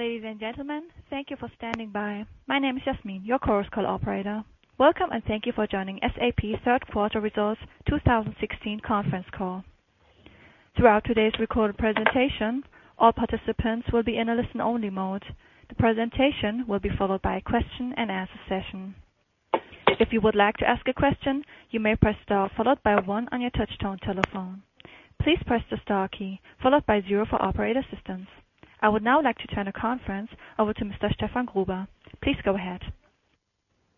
Ladies and gentlemen, thank you for standing by. My name is Jasmine, your Chorus Call operator. Welcome, and thank you for joining SAP Third Quarter Results 2016 conference call. Throughout today's recorded presentation, all participants will be in a listen-only mode. The presentation will be followed by a question and answer session. If you would like to ask a question, you may press star followed by one on your touch-tone telephone. Please press the star key followed by zero for operator assistance. I would now like to turn the conference over to Mr. Stefan Gruber. Please go ahead.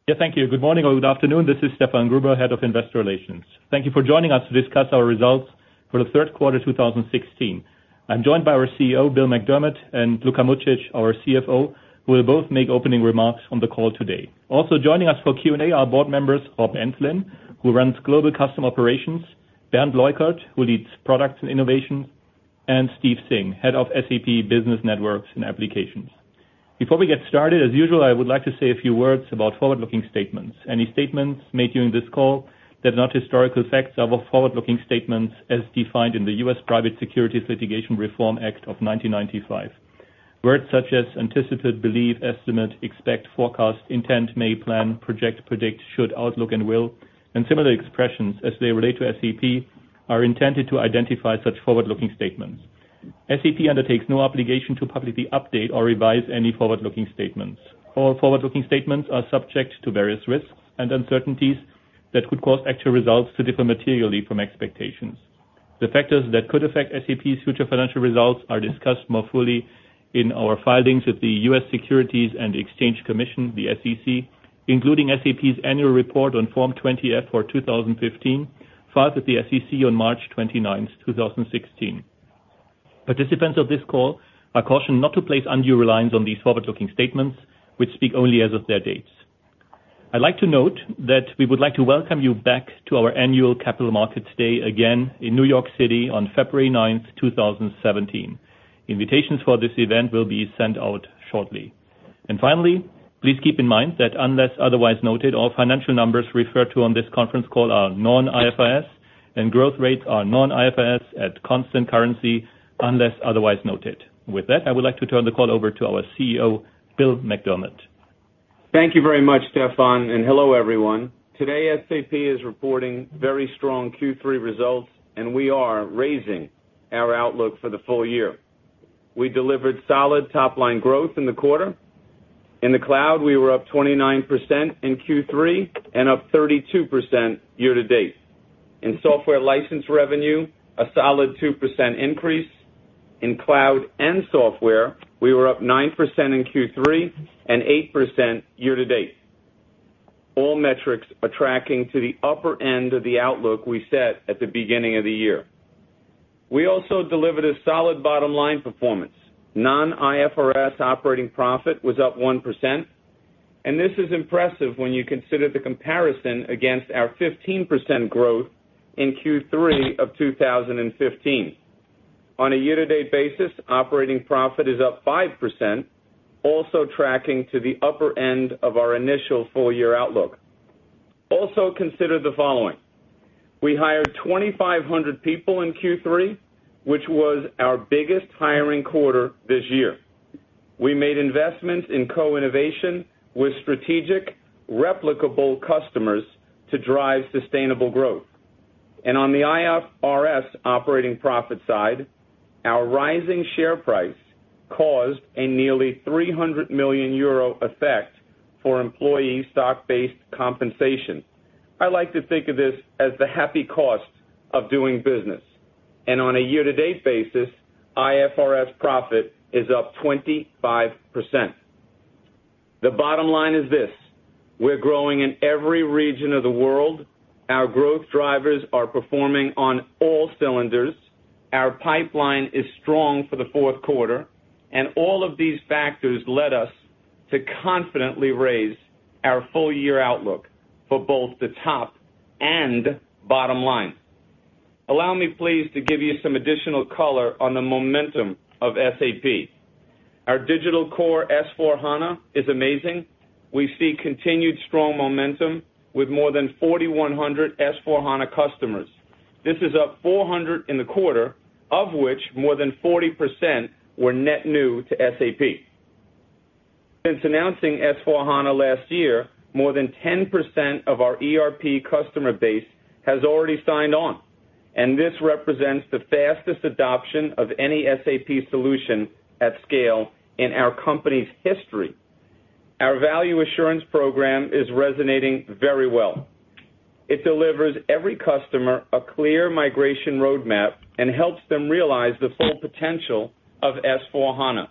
Yeah, thank you. Good morning, or good afternoon. This is Stefan Gruber, Head of Investor Relations. Thank you for joining us to discuss our results for the third quarter of 2016. I'm joined by our CEO, Bill McDermott, and Luka Mucic, our CFO, who will both make opening remarks on the call today. Also joining us for Q&A are board members Rob Enslin, who runs Global Customer Operations, Bernd Leukert, who leads Products & Innovation, and Steve Singh, Head of SAP Business Networks and Applications. Before we get started, as usual, I would like to say a few words about forward-looking statements. Any statements made during this call that are not historical facts are forward-looking statements as defined in the U.S. Private Securities Litigation Reform Act of 1995. Words such as anticipated, believe, estimate, expect, forecast, intent, may, plan, project, predict, should, outlook, and will, and similar expressions as they relate to SAP, are intended to identify such forward-looking statements. SAP undertakes no obligation to publicly update or revise any forward-looking statements. All forward-looking statements are subject to various risks and uncertainties that could cause actual results to differ materially from expectations. The factors that could affect SAP's future financial results are discussed more fully in our filings with the U.S. Securities and Exchange Commission, the SEC, including SAP's annual report on Form 20-F for 2015, filed with the SEC on March 29th, 2016. Participants of this call are cautioned not to place undue reliance on these forward-looking statements, which speak only as of their dates. I'd like to note that we would like to welcome you back to our annual Capital Markets Day again in New York City on February 9th, 2017. Invitations for this event will be sent out shortly. Finally, please keep in mind that unless otherwise noted, all financial numbers referred to on this conference call are non-IFRS, and growth rates are non-IFRS at constant currency unless otherwise noted. With that, I would like to turn the call over to our CEO, Bill McDermott. Thank you very much, Stefan. Hello, everyone. Today, SAP is reporting very strong Q3 results. We are raising our outlook for the full year. We delivered solid top-line growth in the quarter. In the cloud, we were up 29% in Q3 and up 32% year-to-date. In software license revenue, a solid 2% increase. In cloud and software, we were up 9% in Q3 and 8% year-to-date. All metrics are tracking to the upper end of the outlook we set at the beginning of the year. We also delivered a solid bottom-line performance. Non-IFRS operating profit was up 1%. This is impressive when you consider the comparison against our 15% growth in Q3 of 2015. On a year-to-date basis, operating profit is up 5%, also tracking to the upper end of our initial full-year outlook. Also consider the following. We hired 2,500 people in Q3, which was our biggest hiring quarter this year. We made investments in co-innovation with strategic replicable customers to drive sustainable growth. On the IFRS operating profit side, our rising share price caused a nearly 300 million euro effect for employee stock-based compensation. I like to think of this as the happy cost of doing business. On a year-to-date basis, IFRS profit is up 25%. The bottom line is this. We're growing in every region of the world. Our growth drivers are performing on all cylinders. Our pipeline is strong for the fourth quarter. All of these factors led us to confidently raise our full-year outlook for both the top and bottom line. Allow me, please, to give you some additional color on the momentum of SAP. Our digital core, S/4HANA, is amazing. We see continued strong momentum with more than 4,100 S/4HANA customers. This is up 400 in the quarter, of which more than 40% were net new to SAP. Since announcing S/4HANA last year, more than 10% of our ERP customer base has already signed on. This represents the fastest adoption of any SAP solution at scale in our company's history. Our value assurance program is resonating very well. It delivers every customer a clear migration roadmap and helps them realize the full potential of S/4HANA.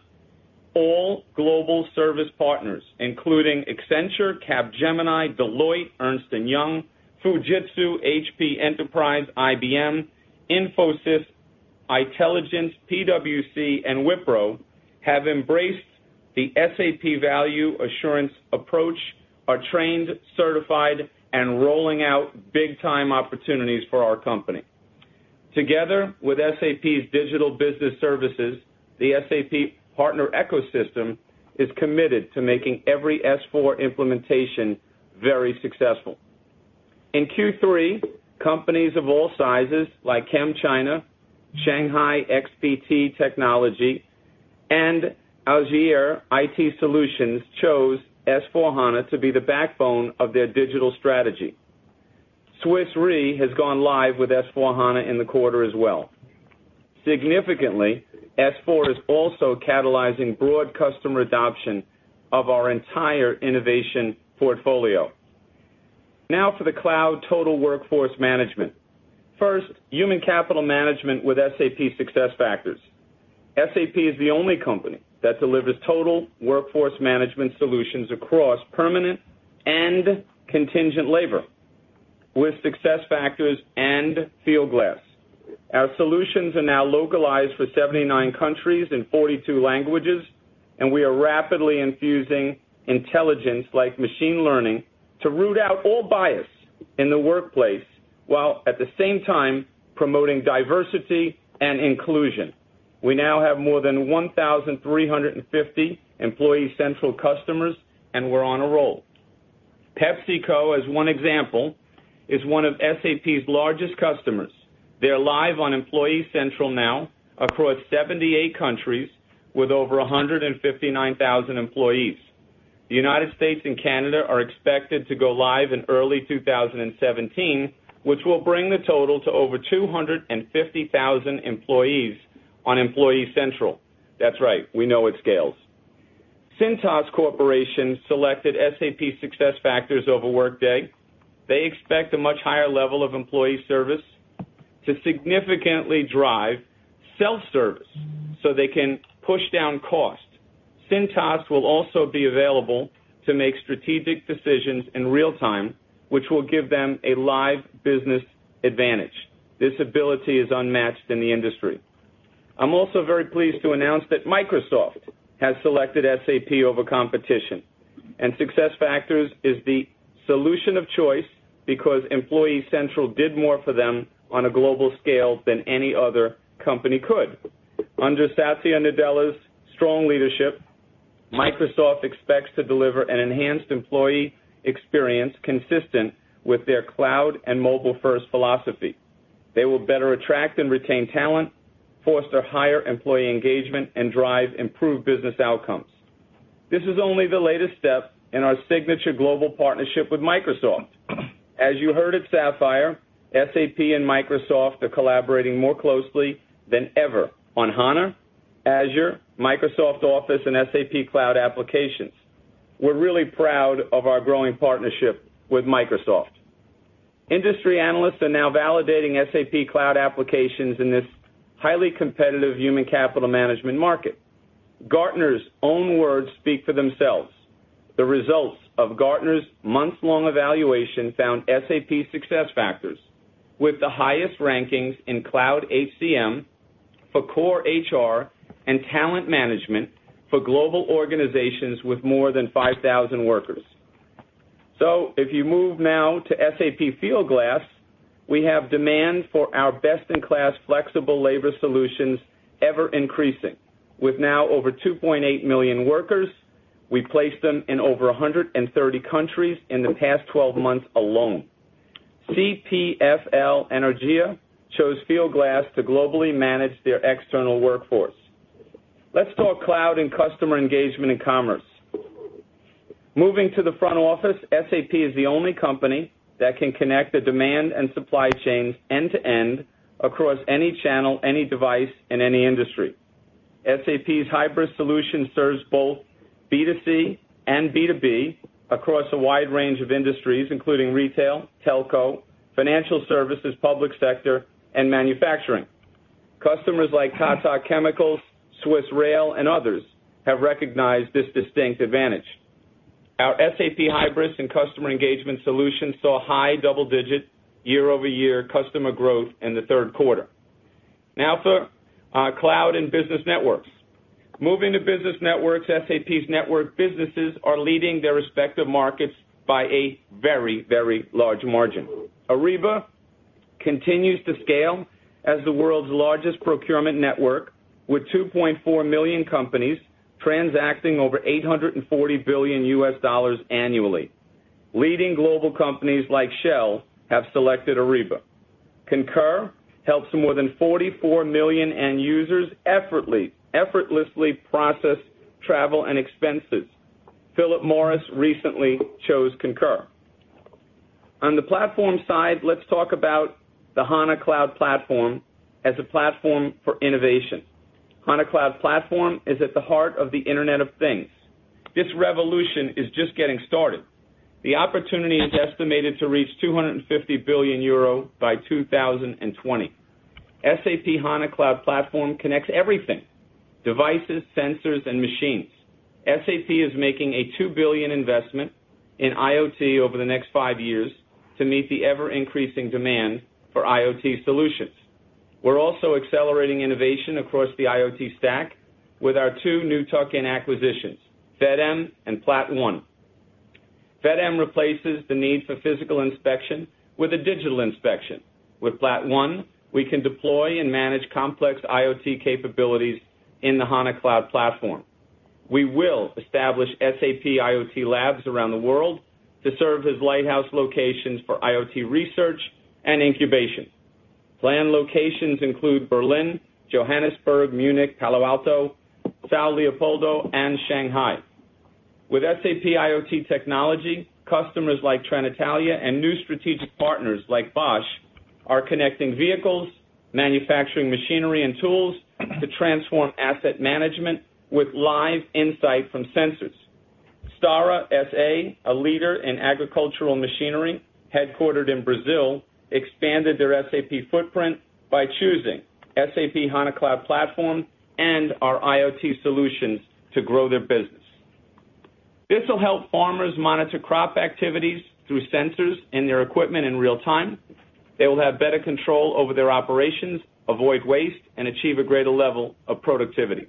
All global service partners, including Accenture, Capgemini, Deloitte, Ernst & Young, Fujitsu, HP Enterprise, IBM, Infosys, itelligence, PwC, and Wipro, have embraced the SAP value assurance approach, are trained, certified, and rolling out big-time opportunities for our company. Together with SAP's digital business services, the SAP partner ecosystem is committed to making every S/4 implementation very successful. In Q3, companies of all sizes like ChemChina, Shanghai XPT Technology, and [Azure IT Solutions] chose S/4HANA to be the backbone of their digital strategy. Swiss Re has gone live with S/4HANA in the quarter as well. Significantly, S/4 is also catalyzing broad customer adoption of our entire innovation portfolio. Now for the cloud total workforce management. First, human capital management with SAP SuccessFactors. SAP is the only company that delivers total workforce management solutions across permanent and contingent labor with SuccessFactors and Fieldglass. Our solutions are now localized for 79 countries in 42 languages. We are rapidly infusing intelligence like machine learning to root out all bias in the workplace, while at the same time promoting diversity and inclusion. We now have more than 1,350 Employee Central customers. We're on a roll. PepsiCo, as one example, is one of SAP's largest customers. They're live on Employee Central across 78 countries with over 159,000 employees. The United States and Canada are expected to go live in early 2017, which will bring the total to over 250,000 employees on Employee Central. That's right. We know it scales. Cintas Corporation selected SAP SuccessFactors over Workday. They expect a much higher level of employee service to significantly drive self-service so they can push down costs. Cintas will also be available to make strategic decisions in real time, which will give them a live business advantage. This ability is unmatched in the industry. I'm also very pleased to announce that Microsoft has selected SAP over competition, and SuccessFactors is the solution of choice because Employee Central did more for them on a global scale than any other company could. Under Satya Nadella's strong leadership, Microsoft expects to deliver an enhanced employee experience consistent with their cloud and mobile-first philosophy. They will better attract and retain talent, foster higher employee engagement, and drive improved business outcomes. This is only the latest step in our signature global partnership with Microsoft. As you heard at Sapphire, SAP and Microsoft are collaborating more closely than ever on HANA, Azure, Microsoft Office, and SAP cloud applications. We're really proud of our growing partnership with Microsoft. Industry analysts are now validating SAP cloud applications in this highly competitive human capital management market. Gartner's own words speak for themselves. The results of Gartner's months-long evaluation found SAP SuccessFactors with the highest rankings in cloud HCM for core HR and talent management for global organizations with more than 5,000 workers. If you move now to SAP Fieldglass, we have demand for our best-in-class flexible labor solutions ever increasing. With now over 2.8 million workers, we placed them in over 130 countries in the past 12 months alone. CPFL Energia chose Fieldglass to globally manage their external workforce. Let's talk cloud and customer engagement and commerce. Moving to the front office, SAP is the only company that can connect the demand and supply chains end to end across any channel, any device, and any industry. SAP's Hybris solution serves both B2C and B2B across a wide range of industries, including retail, telco, financial services, public sector, and manufacturing. Customers like Tata Chemicals, SBB, and others have recognized this distinct advantage. Our SAP Hybris and customer engagement solutions saw high double-digit year-over-year customer growth in the third quarter. Now for our cloud and business networks. Moving to business networks, SAP's network businesses are leading their respective markets by a very large margin. Ariba continues to scale as the world's largest procurement network with 2.4 million companies transacting over $840 billion U.S. dollars annually. Leading global companies like Shell have selected Ariba. Concur helps more than 44 million end users effortlessly process travel and expenses. Philip Morris recently chose Concur. On the platform side, let's talk about the HANA Cloud Platform as a platform for innovation. HANA Cloud Platform is at the heart of the Internet of Things. This revolution is just getting started. The opportunity is estimated to reach 250 billion euro by 2020. SAP HANA Cloud Platform connects everything: devices, sensors, and machines. SAP is making a 2 billion investment in IoT over the next five years to meet the ever-increasing demand for IoT solutions. We're also accelerating innovation across the IoT stack with our two new tuck-in acquisitions, Fedem and PLAT.ONE. Fedem replaces the need for physical inspection with a digital inspection. With PLAT.ONE, we can deploy and manage complex IoT capabilities in the HANA Cloud Platform. We will establish SAP IoT labs around the world to serve as lighthouse locations for IoT research and incubation. Planned locations include Berlin, Johannesburg, Munich, Palo Alto, São Leopoldo, and Shanghai. With SAP IoT technology, customers like Trenitalia and new strategic partners like Bosch are connecting vehicles, manufacturing machinery, and tools to transform asset management with live insight from sensors. Stara S/A, a leader in agricultural machinery, headquartered in Brazil, expanded their SAP footprint by choosing SAP HANA Cloud Platform and our IoT solutions to grow their business. This will help farmers monitor crop activities through sensors in their equipment in real time. They will have better control over their operations, avoid waste, and achieve a greater level of productivity.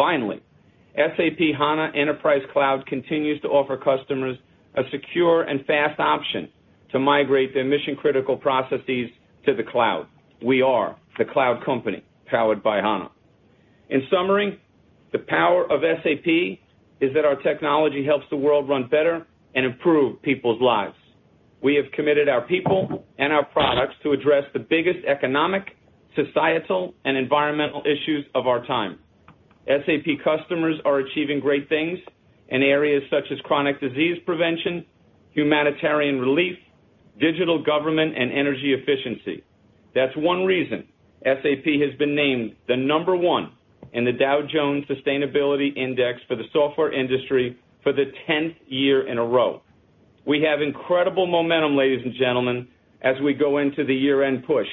SAP HANA Enterprise Cloud continues to offer customers a secure and fast option to migrate their mission-critical processes to the cloud. We are the cloud company powered by HANA. The power of SAP is that our technology helps the world run better and improve people's lives. We have committed our people and our products to address the biggest economic, societal, and environmental issues of our time. SAP customers are achieving great things in areas such as chronic disease prevention, humanitarian relief, digital government, and energy efficiency. That's one reason SAP has been named the number one in the Dow Jones Sustainability Index for the software industry for the 10th year in a row. We have incredible momentum, ladies and gentlemen, as we go into the year-end push.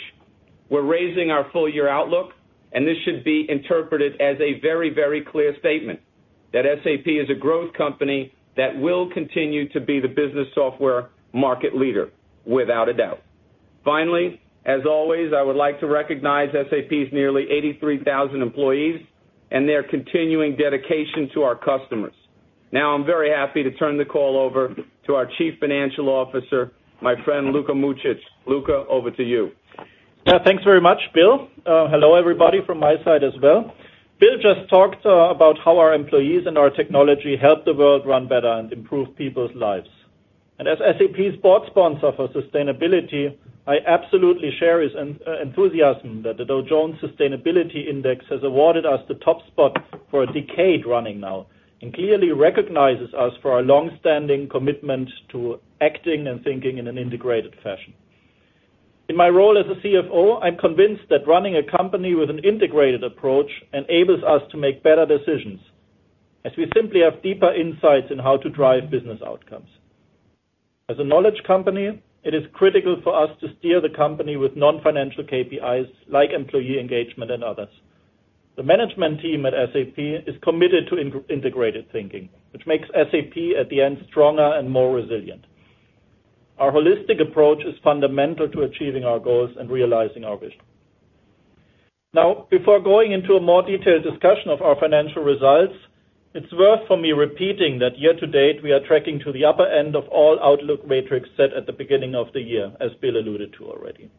We're raising our full-year outlook, this should be interpreted as a very clear statement that SAP is a growth company that will continue to be the business software market leader without a doubt. As always, I would like to recognize SAP's nearly 83,000 employees and their continuing dedication to our customers. I'm very happy to turn the call over to our Chief Financial Officer, my friend Luka Mucic. Luka, over to you. Thanks very much, Bill. Hello, everybody, from my side as well. Bill just talked about how our employees and our technology help the world run better and improve people's lives. As SAP's board sponsor for sustainability, I absolutely share his enthusiasm that the Dow Jones Sustainability Index has awarded us the top spot for a decade running now, clearly recognizes us for our longstanding commitment to acting and thinking in an integrated fashion. My role as a CFO, I'm convinced that running a company with an integrated approach enables us to make better decisions as we simply have deeper insights in how to drive business outcomes. A knowledge company, it is critical for us to steer the company with non-financial KPIs like employee engagement and others. The management team at SAP is committed to integrated thinking, which makes SAP at the end stronger and more resilient. Our holistic approach is fundamental to achieving our goals and realizing our vision. Before going into a more detailed discussion of our financial results, it's worth for me repeating that year-to-date, we are tracking to the upper end of all outlook metrics set at the beginning of the year, as Bill alluded to already.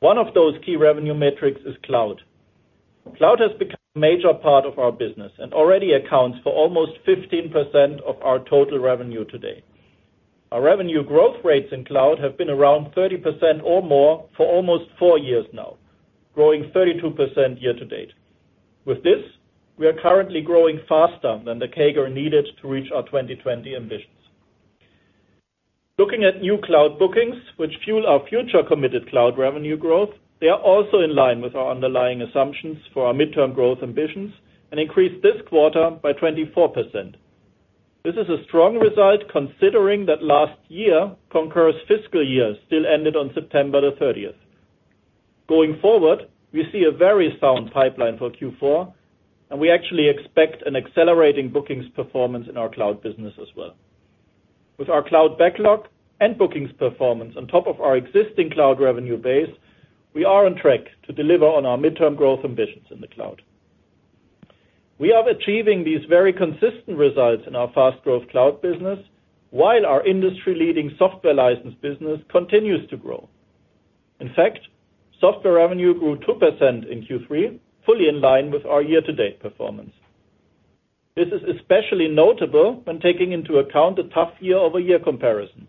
One of those key revenue metrics is cloud. Cloud has become a major part of our business and already accounts for almost 15% of our total revenue today. Our revenue growth rates in cloud have been around 30% or more for almost four years now, growing 32% year-to-date. With this, we are currently growing faster than the CAGR needed to reach our 2020 ambitions. Looking at new cloud bookings, which fuel our future committed cloud revenue growth, they are also in line with our underlying assumptions for our midterm growth ambitions and increased this quarter by 24%. This is a strong result considering that last year, Concur's fiscal year still ended on September 30th. Going forward, we see a very sound pipeline for Q4. We actually expect an accelerating bookings performance in our cloud business as well. With our cloud backlog and bookings performance on top of our existing cloud revenue base, we are on track to deliver on our midterm growth ambitions in the cloud. We are achieving these very consistent results in our fast growth cloud business while our industry-leading software license business continues to grow. In fact, software revenue grew 2% in Q3, fully in line with our year-to-date performance. This is especially notable when taking into account the tough year-over-year comparison.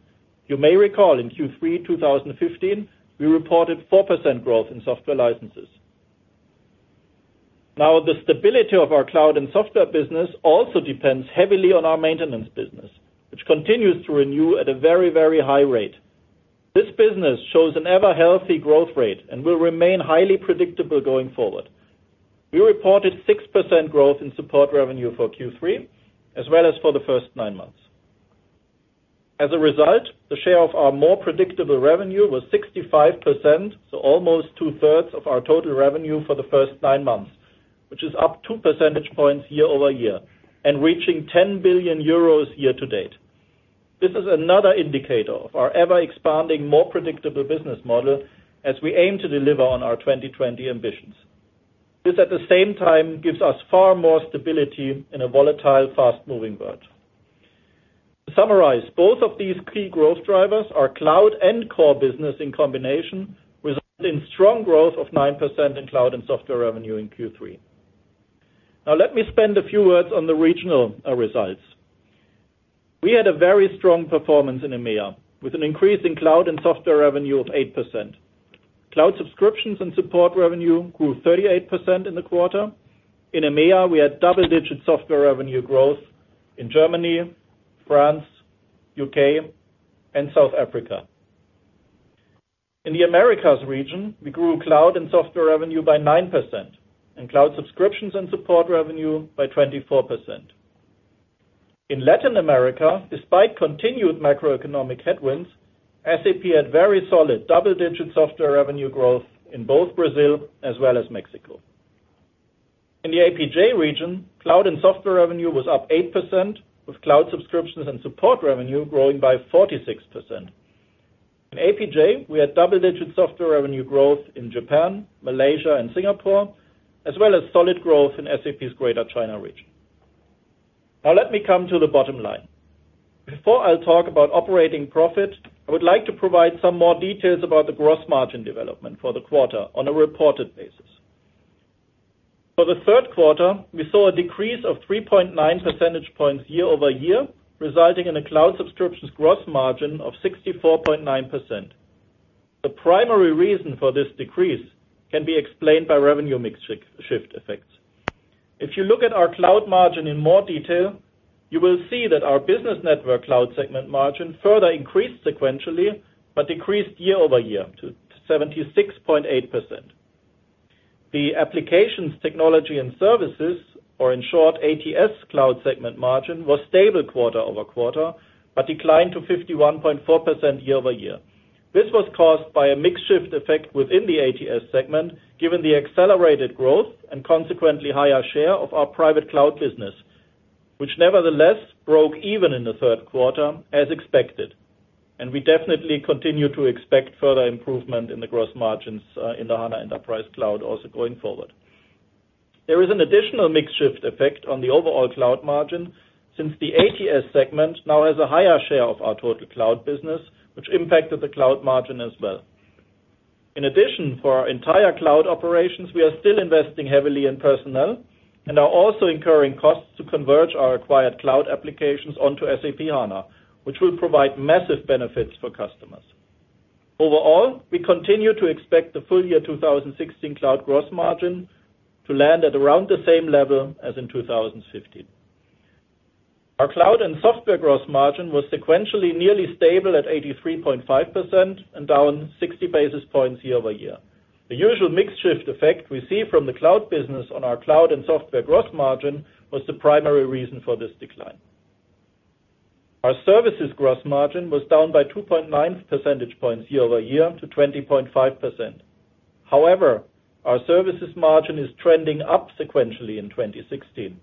You may recall in Q3 2015, we reported 4% growth in software licenses. The stability of our cloud and software business also depends heavily on our maintenance business, which continues to renew at a very high rate. This business shows an ever-healthy growth rate and will remain highly predictable going forward. We reported 6% growth in support revenue for Q3, as well as for the first nine months. As a result, the share of our more predictable revenue was 65%, so almost two-thirds of our total revenue for the first nine months, which is up two percentage points year-over-year and reaching 10 billion euros year-to-date. This is another indicator of our ever-expanding, more predictable business model as we aim to deliver on our 2020 ambitions. This, at the same time, gives us far more stability in a volatile, fast-moving world. To summarize, both of these key growth drivers are cloud and core business in combination, resulting in strong growth of 9% in cloud and software revenue in Q3. Let me spend a few words on the regional results. We had a very strong performance in EMEA, with an increase in cloud and software revenue of 8%. Cloud subscriptions and support revenue grew 38% in the quarter. In EMEA, we had double-digit software revenue growth in Germany, France, U.K., and South Africa. In the Americas region, we grew cloud and software revenue by 9%, and cloud subscriptions and support revenue by 24%. In Latin America, despite continued macroeconomic headwinds, SAP had very solid double-digit software revenue growth in both Brazil as well as Mexico. In the APJ region, cloud and software revenue was up 8%, with cloud subscriptions and support revenue growing by 46%. In APJ, we had double-digit software revenue growth in Japan, Malaysia, and Singapore, as well as solid growth in SAP's Greater China region. Let me come to the bottom line. Before I talk about operating profit, I would like to provide some more details about the gross margin development for the quarter on a reported basis. For the third quarter, we saw a decrease of 3.9 percentage points year-over-year, resulting in a cloud subscriptions gross margin of 64.9%. The primary reason for this decrease can be explained by revenue mix shift effects. If you look at our cloud margin in more detail, you will see that our business network cloud segment margin further increased sequentially, but decreased year-over-year to 76.8%. The applications, technology and services, or in short, ATS cloud segment margin, was stable quarter-over-quarter, but declined to 51.4% year-over-year. This was caused by a mix shift effect within the ATS segment, given the accelerated growth and consequently higher share of our private cloud business, which nevertheless broke even in the third quarter as expected, and we definitely continue to expect further improvement in the gross margins in the HANA Enterprise Cloud also going forward. There is an additional mix shift effect on the overall cloud margin since the ATS segment now has a higher share of our total cloud business, which impacted the cloud margin as well. In addition, for our entire cloud operations, we are still investing heavily in personnel and are also incurring costs to converge our acquired cloud applications onto SAP HANA, which will provide massive benefits for customers. Overall, we continue to expect the full year 2016 cloud gross margin to land at around the same level as in 2015. Our cloud and software gross margin was sequentially nearly stable at 83.5% and down 60 basis points year-over-year. The usual mix shift effect we see from the cloud business on our cloud and software gross margin was the primary reason for this decline. Our services gross margin was down by 2.9 percentage points year-over-year to 20.5%. However, our services margin is trending up sequentially in 2016.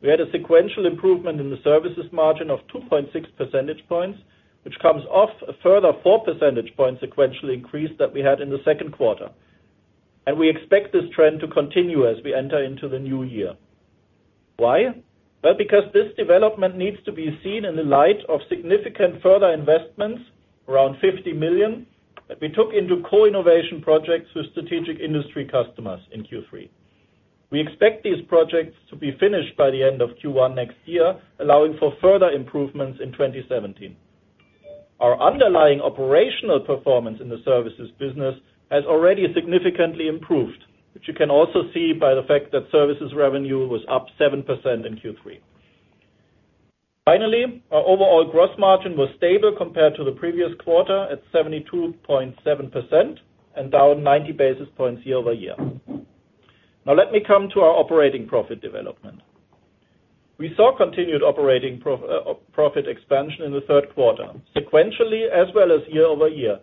We had a sequential improvement in the services margin of 2.6 percentage points, which comes off a further four percentage points sequentially increase that we had in the second quarter. We expect this trend to continue as we enter into the new year. Why? Well, because this development needs to be seen in the light of significant further investments, around 50 million, that we took into co-innovation projects with strategic industry customers in Q3. We expect these projects to be finished by the end of Q1 next year, allowing for further improvements in 2017. Our underlying operational performance in the services business has already significantly improved, which you can also see by the fact that services revenue was up 7% in Q3. Our overall gross margin was stable compared to the previous quarter at 72.7% and down 90 basis points year-over-year. Let me come to our operating profit development. We saw continued operating profit expansion in the third quarter sequentially as well as year-over-year,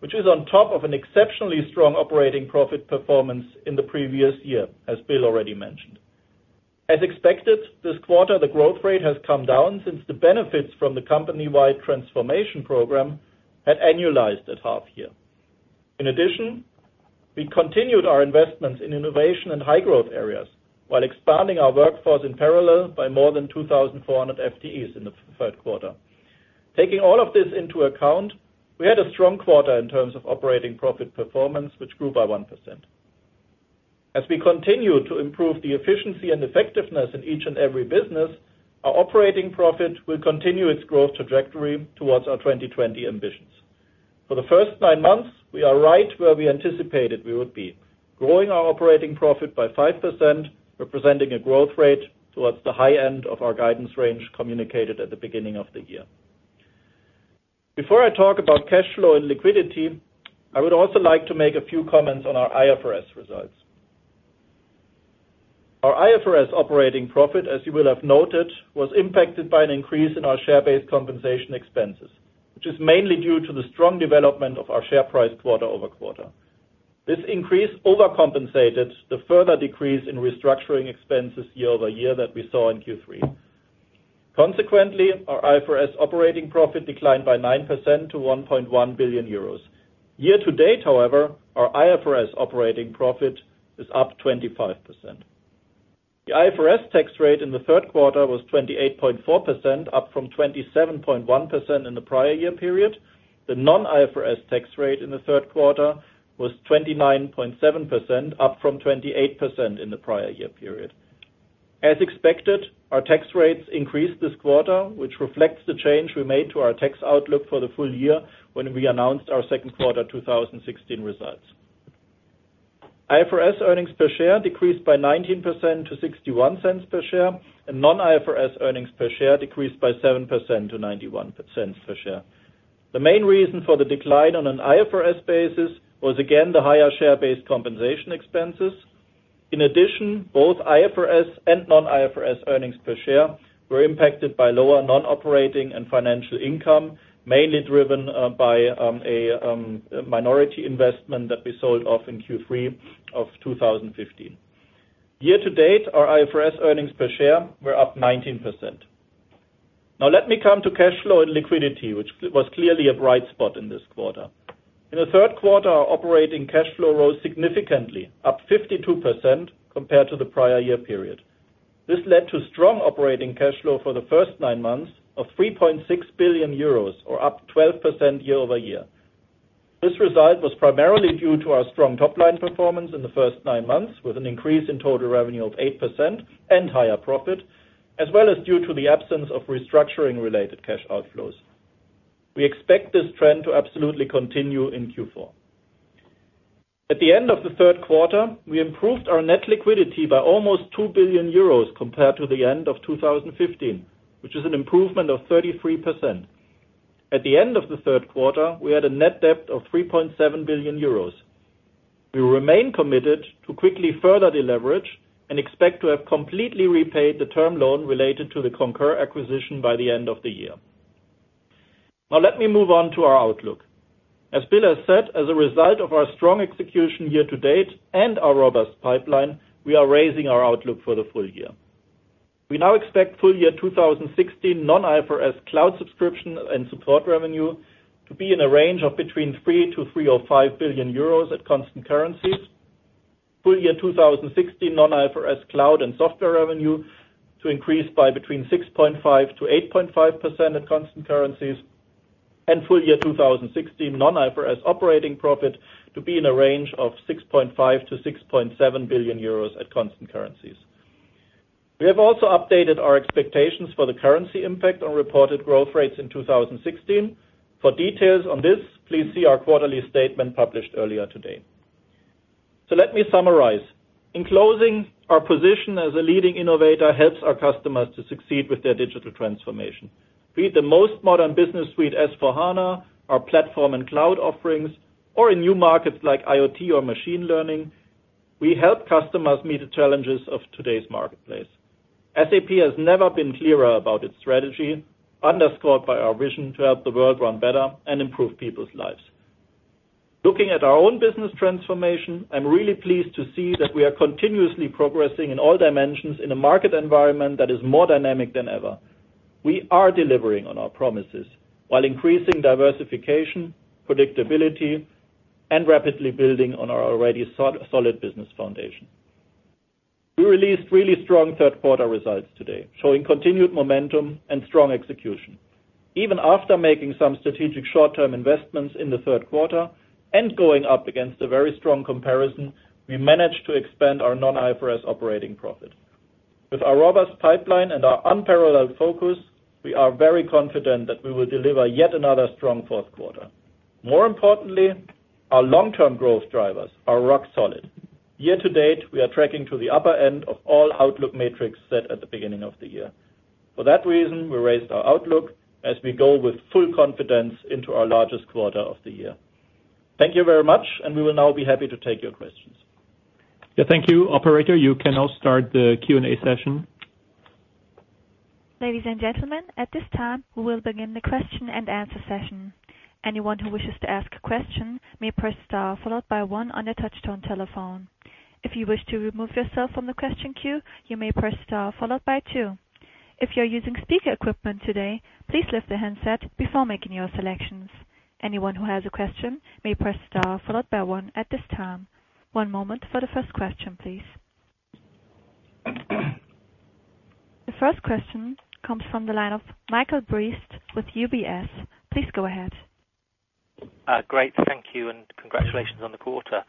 which is on top of an exceptionally strong operating profit performance in the previous year, as Bill already mentioned. As expected, this quarter, the growth rate has come down since the benefits from the company-wide transformation program had annualized at half year. In addition, we continued our investments in innovation and high growth areas while expanding our workforce in parallel by more than 2,400 FTEs in the third quarter. Taking all of this into account, we had a strong quarter in terms of operating profit performance, which grew by 1%. As we continue to improve the efficiency and effectiveness in each and every business, our operating profit will continue its growth trajectory towards our 2020 ambitions. For the first nine months, we are right where we anticipated we would be, growing our operating profit by 5%, representing a growth rate towards the high end of our guidance range communicated at the beginning of the year. Before I talk about cash flow and liquidity, I would also like to make a few comments on our IFRS results. Our IFRS operating profit, as you will have noted, was impacted by an increase in our share-based compensation expenses, which is mainly due to the strong development of our share price quarter-over-quarter. This increase overcompensated the further decrease in restructuring expenses year-over-year that we saw in Q3. Consequently, our IFRS operating profit declined by 9% to €1.1 billion. Year to date, however, our IFRS operating profit is up 25%. The IFRS tax rate in the third quarter was 28.4%, up from 27.1% in the prior year period. The non-IFRS tax rate in the third quarter was 29.7%, up from 28% in the prior year period. As expected, our tax rates increased this quarter, which reflects the change we made to our tax outlook for the full year when we announced our second quarter 2016 results. IFRS earnings per share decreased by 19% to 0.61 per share, and non-IFRS earnings per share decreased by 7% to 0.91 per share. The main reason for the decline on an IFRS basis was again, the higher share-based compensation expenses. In addition, both IFRS and non-IFRS earnings per share were impacted by lower non-operating and financial income, mainly driven by a minority investment that we sold off in Q3 of 2015. Year to date, our IFRS earnings per share were up 19%. Now let me come to cash flow and liquidity, which was clearly a bright spot in this quarter. In the third quarter, our operating cash flow rose significantly, up 52% compared to the prior year period. This led to strong operating cash flow for the first nine months of €3.6 billion or up 12% year-over-year. This result was primarily due to our strong top-line performance in the first nine months, with an increase in total revenue of 8% and higher profit, as well as due to the absence of restructuring related cash outflows. We expect this trend to absolutely continue in Q4. At the end of the third quarter, we improved our net liquidity by almost €2 billion compared to the end of 2015, which is an improvement of 33%. At the end of the third quarter, we had a net debt of €3.7 billion. We remain committed to quickly further deleverage and expect to have completely repaid the term loan related to the Concur acquisition by the end of the year. Now let me move on to our outlook. As Bill has said, as a result of our strong execution year-to-date and our robust pipeline, we are raising our outlook for the full year. We now expect full year 2016 non-IFRS cloud subscription and support revenue to be in a range of between 3 billion-3.5 billion euros at constant currencies. Full year 2016 non-IFRS cloud and software revenue to increase by between 6.5%-8.5% at constant currencies, and full year 2016 non-IFRS operating profit to be in a range of 6.5 billion-6.7 billion euros at constant currencies. We have also updated our expectations for the currency impact on reported growth rates in 2016. For details on this, please see our quarterly statement published earlier today. Let me summarize. In closing, our position as a leading innovator helps our customers to succeed with their digital transformation. Be it the most modern business suite, S/4HANA, our platform and cloud offerings, or in new markets like IoT or machine learning, we help customers meet the challenges of today's marketplace. SAP has never been clearer about its strategy, underscored by our vision to help the world run better and improve people's lives. Looking at our own business transformation, I'm really pleased to see that we are continuously progressing in all dimensions in a market environment that is more dynamic than ever. We are delivering on our promises while increasing diversification, predictability, and rapidly building on our already solid business foundation. We released really strong third-quarter results today, showing continued momentum and strong execution. Even after making some strategic short-term investments in the third quarter and going up against a very strong comparison, we managed to expand our non-IFRS operating profit. With our robust pipeline and our unparalleled focus, we are very confident that we will deliver yet another strong fourth quarter. More importantly, our long-term growth drivers are rock solid. Year-to-date, we are tracking to the upper end of all outlook metrics set at the beginning of the year. For that reason, we raised our outlook as we go with full confidence into our largest quarter of the year. Thank you very much. We will now be happy to take your questions. Thank you. Operator, you can now start the Q&A session. Ladies and gentlemen, at this time, we will begin the question and answer session. Anyone who wishes to ask a question may press star followed by one on their touch-tone telephone. If you wish to remove yourself from the question queue, you may press star followed by two. If you're using speaker equipment today, please lift the handset before making your selections. Anyone who has a question may press star followed by one at this time. One moment for the first question, please. The first question comes from the line of Michael Briest with UBS. Please go ahead. Great. Thank you and congratulations on the quarter.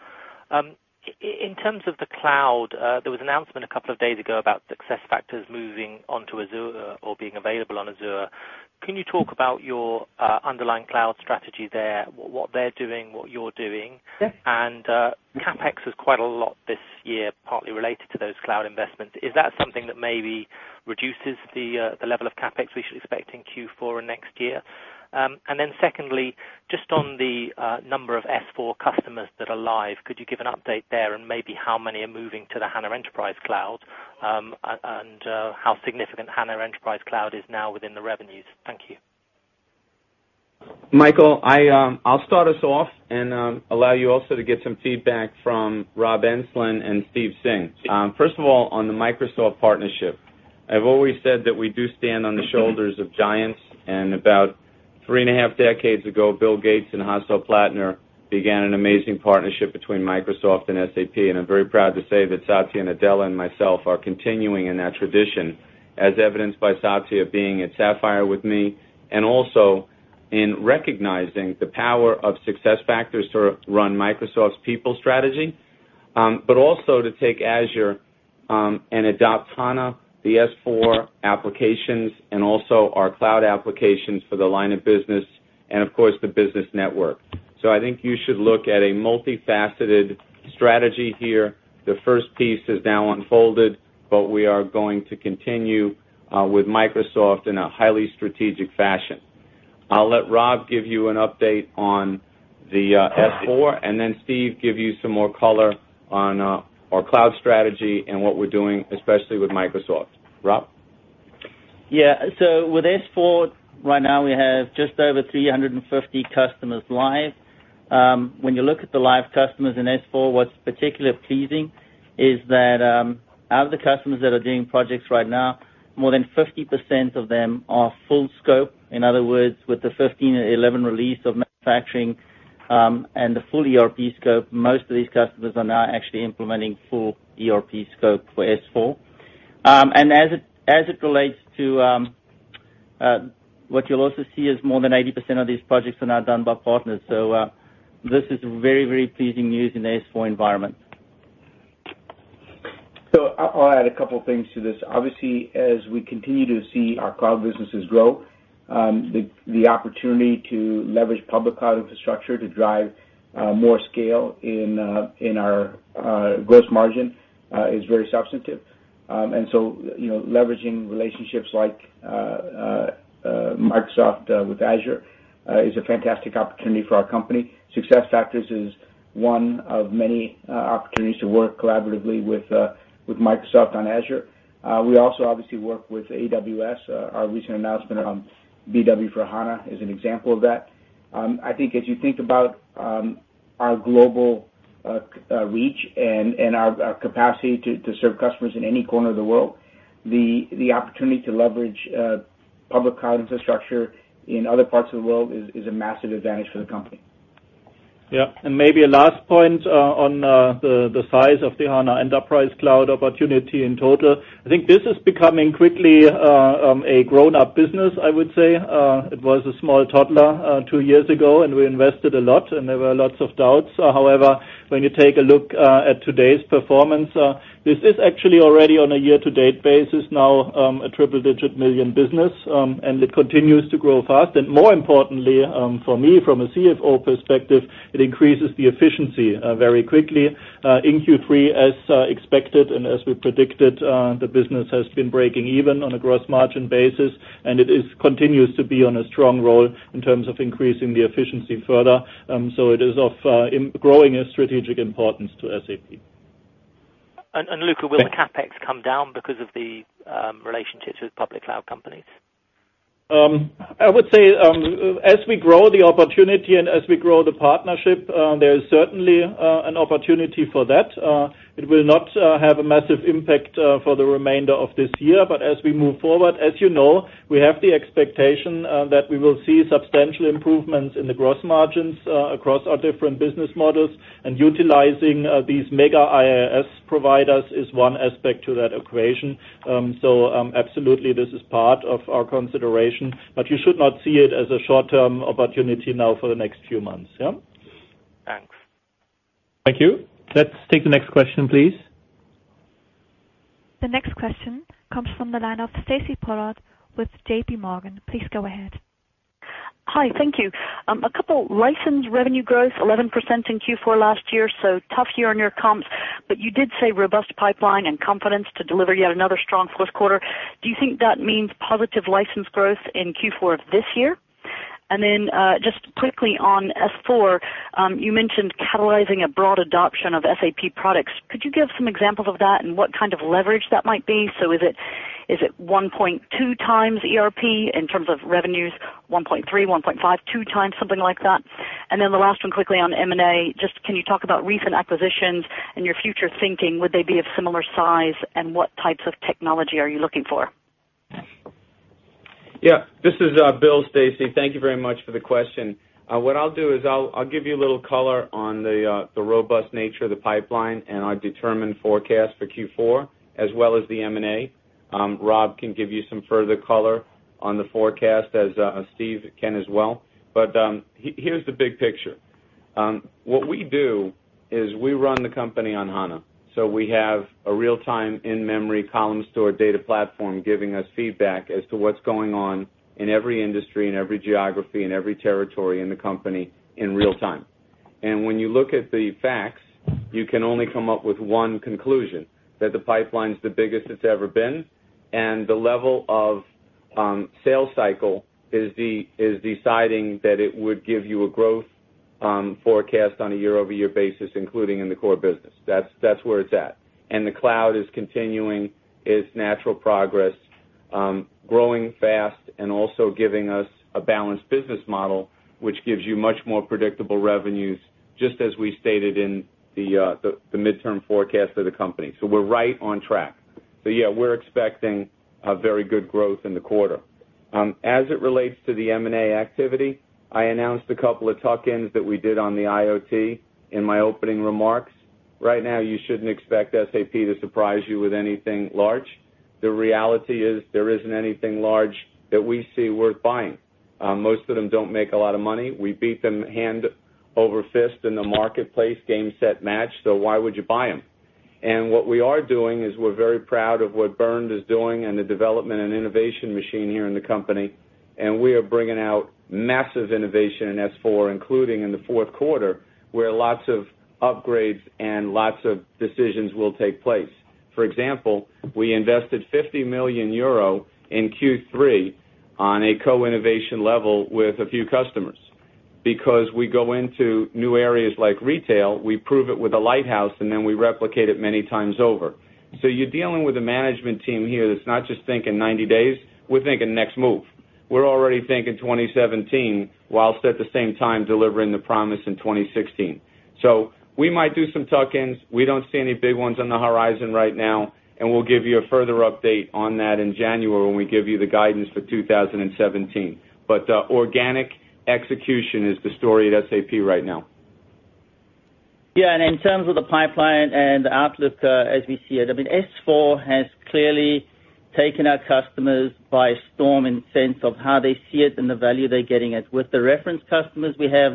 In terms of the cloud, there was an announcement a couple of days ago about SuccessFactors moving onto Azure or being available on Azure. Can you talk about your underlying cloud strategy there, what they're doing, what you're doing? Yeah. CapEx is quite a lot this year, partly related to those cloud investments. Is that something that maybe reduces the level of CapEx we should expect in Q4 and next year? Secondly, just on the number of S/4 customers that are live, could you give an update there on maybe how many are moving to the HANA Enterprise Cloud, and how significant HANA Enterprise Cloud is now within the revenues? Thank you. Michael, I'll start us off and allow you also to get some feedback from Rob Enslin and Steve Singh. First of all, on the Microsoft partnership, I've always said that we do stand on the shoulders of giants and about Three and a half decades ago, Bill Gates and Hasso Plattner began an amazing partnership between Microsoft and SAP, and I'm very proud to say that Satya Nadella and myself are continuing in that tradition, as evidenced by Satya being at Sapphire with me, and also in recognizing the power of SuccessFactors to run Microsoft's people strategy. Also to take Azure, and adopt HANA, the S/4 applications, and also our cloud applications for the line of business, and of course, the business network. I think you should look at a multifaceted strategy here. The first piece is now unfolded, we are going to continue, with Microsoft in a highly strategic fashion. I'll let Rob give you an update on the S/4, and then Steve give you some more color on our cloud strategy and what we're doing, especially with Microsoft. Rob? With S/4, right now we have just over 350 customers live. When you look at the live customers in S/4, what's particularly pleasing is that, out of the customers that are doing projects right now, more than 50% of them are full scope. In other words, with the 15.11 release of manufacturing, and the full ERP scope, most of these customers are now actually implementing full ERP scope for S/4. As it relates to what you'll also see is more than 80% of these projects are now done by partners. This is very, very pleasing news in the S/4 environment. I'll add a couple things to this. Obviously, as we continue to see our cloud businesses grow, the opportunity to leverage public cloud infrastructure to drive more scale in our gross margin is very substantive. Leveraging relationships like Microsoft with Azure is a fantastic opportunity for our company. SuccessFactors is one of many opportunities to work collaboratively with Microsoft on Azure. We also obviously work with AWS. Our recent announcement on BW on HANA is an example of that. I think as you think about our global reach and our capacity to serve customers in any corner of the world, the opportunity to leverage public cloud infrastructure in other parts of the world is a massive advantage for the company. Maybe a last point on the size of the HANA Enterprise Cloud opportunity in total. I think this is becoming quickly a grown-up business, I would say. It was a small toddler two years ago, we invested a lot and there were lots of doubts. However, when you take a look at today's performance, this is actually already on a year-to-date basis now, a EUR triple-digit million business, it continues to grow fast. More importantly, for me from a CFO perspective, it increases the efficiency very quickly. In Q3 as expected and as we predicted, the business has been breaking even on a gross margin basis, it continues to be on a strong roll in terms of increasing the efficiency further. It is of growing strategic importance to SAP. Luka, will the CapEx come down because of the relationships with public cloud companies? I would say, as we grow the opportunity and as we grow the partnership, there is certainly an opportunity for that. It will not have a massive impact for the remainder of this year, but as we move forward, as you know, we have the expectation that we will see substantial improvements in the gross margins across our different business models, and utilizing these mega IaaS providers is one aspect to that equation. Absolutely, this is part of our consideration. You should not see it as a short-term opportunity now for the next few months, yeah? Thanks. Thank you. Let's take the next question, please. The next question comes from the line of Stacy Pollard with JP Morgan. Please go ahead. Hi. Thank you. A couple licensed revenue growth, 11% in Q4 last year, tough year on your comps, you did say robust pipeline and confidence to deliver yet another strong first quarter. Do you think that means positive license growth in Q4 of this year? Then, just quickly on S/4, you mentioned catalyzing a broad adoption of SAP products. Could you give some examples of that and what kind of leverage that might be? Is it 1.2x ERP in terms of revenues, 1.3, 1.5, 2x, something like that? Then the last one quickly on M&A, just can you talk about recent acquisitions and your future thinking? Would they be of similar size, and what types of technology are you looking for? This is Bill, Stacy. Thank you very much for the question. What I'll do is I'll give you a little color on the robust nature of the pipeline and our determined forecast for Q4, as well as the M&A. Rob can give you some further color on the forecast, as Steve can as well. Here's the big picture. What we do is we run the company on HANA. We have a real-time, in-memory, column store data platform giving us feedback as to what's going on in every industry, in every geography, in every territory in the company in real-time. When you look at the facts, you can only come up with one conclusion, that the pipeline's the biggest it's ever been, and the level of sales cycle is deciding that it would give you a growth forecast on a year-over-year basis, including in the core business. That's where it's at. The cloud is continuing its natural progress, growing fast and also giving us a balanced business model, which gives you much more predictable revenues, just as we stated in the midterm forecast of the company. We're right on track. We're expecting a very good growth in the quarter. As it relates to the M&A activity, I announced a couple of tuck-ins that we did on the IoT in my opening remarks. Right now, you shouldn't expect SAP to surprise you with anything large. The reality is, there isn't anything large that we see worth buying. Most of them don't make a lot of money. We beat them hand over fist in the marketplace, game, set, match, why would you buy them? What we are doing is we're very proud of what Bernd is doing and the development and innovation machine here in the company, and we are bringing out massive innovation in S/4, including in the fourth quarter, where lots of upgrades and lots of decisions will take place. For example, we invested 50 million euro in Q3 on a co-innovation level with a few customers. We go into new areas like retail, we prove it with a lighthouse, then we replicate it many times over. You're dealing with a management team here that's not just thinking 90 days, we're thinking next move. We're already thinking 2017 whilst at the same time delivering the promise in 2016. We might do some tuck-ins. We don't see any big ones on the horizon right now. We'll give you a further update on that in January when we give you the guidance for 2017. Organic execution is the story at SAP right now. In terms of the pipeline and the outlook, as we see it, S/4 has clearly taken our customers by storm in sense of how they see it and the value they're getting it. With the reference customers we have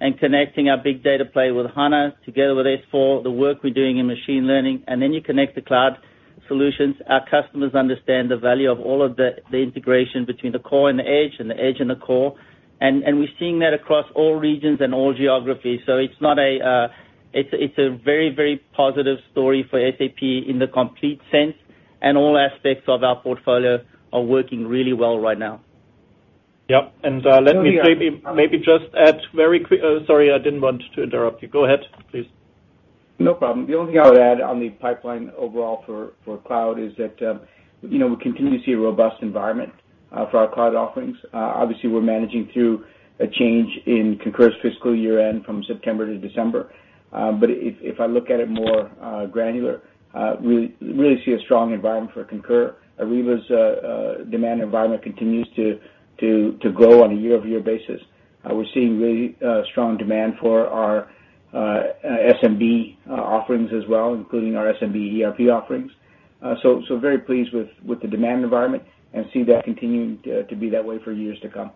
and connecting our big data play with HANA together with S/4, the work we're doing in machine learning, you connect the cloud solutions, our customers understand the value of all of the integration between the core and the edge, and the edge and the core. We're seeing that across all regions and all geographies. It's a very positive story for SAP in the complete sense. All aspects of our portfolio are working really well right now. Yep. Let me maybe just add very quick. Sorry, I didn't want to interrupt you. Go ahead, please. No problem. The only thing I would add on the pipeline overall for cloud is that we continue to see a robust environment for our cloud offerings. Obviously, we're managing through a change in Concur's fiscal year end from September to December. If I look at it more granular, we really see a strong environment for Concur. Ariba's demand environment continues to grow on a year-over-year basis. We're seeing really strong demand for our SMB offerings as well, including our SMB ERP offerings. Very pleased with the demand environment and see that continuing to be that way for years to come.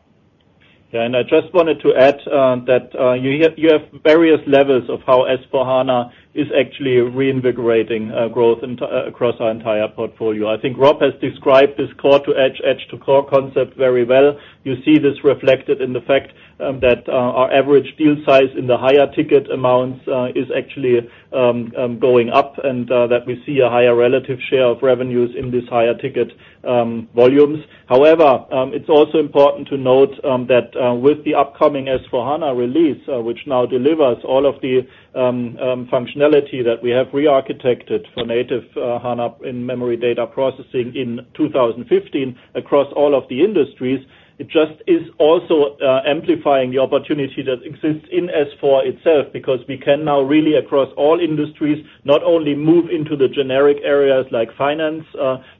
Yeah, I just wanted to add that you have various levels of how S/4HANA is actually reinvigorating growth across our entire portfolio. I think Rob has described this core to edge to core concept very well. You see this reflected in the fact that our average deal size in the higher ticket amounts is actually going up, that we see a higher relative share of revenues in these higher ticket volumes. However, it's also important to note that with the upcoming S/4HANA release, which now delivers all of the functionality that we have rearchitected for native HANA in-memory data processing in 2015 across all of the industries, it just is also amplifying the opportunity that exists in S/4 itself because we can now really, across all industries, not only move into the generic areas like finance,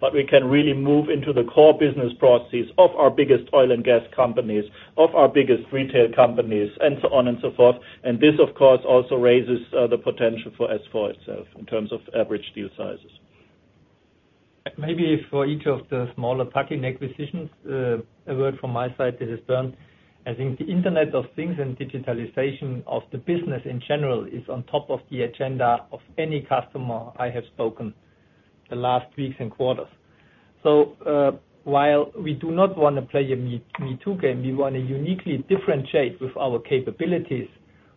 but we can really move into the core business processes of our biggest oil and gas companies, of our biggest retail companies, and so on and so forth. This, of course, also raises the potential for S/4 itself in terms of average deal sizes. Maybe for each of the smaller tuck-in acquisitions, a word from my side, this is Bernd. I think the Internet of Things and digitalization of the business in general is on top of the agenda of any customer I have spoken the last weeks and quarters. While we do not want to play a me too game, we want to uniquely differentiate with our capabilities,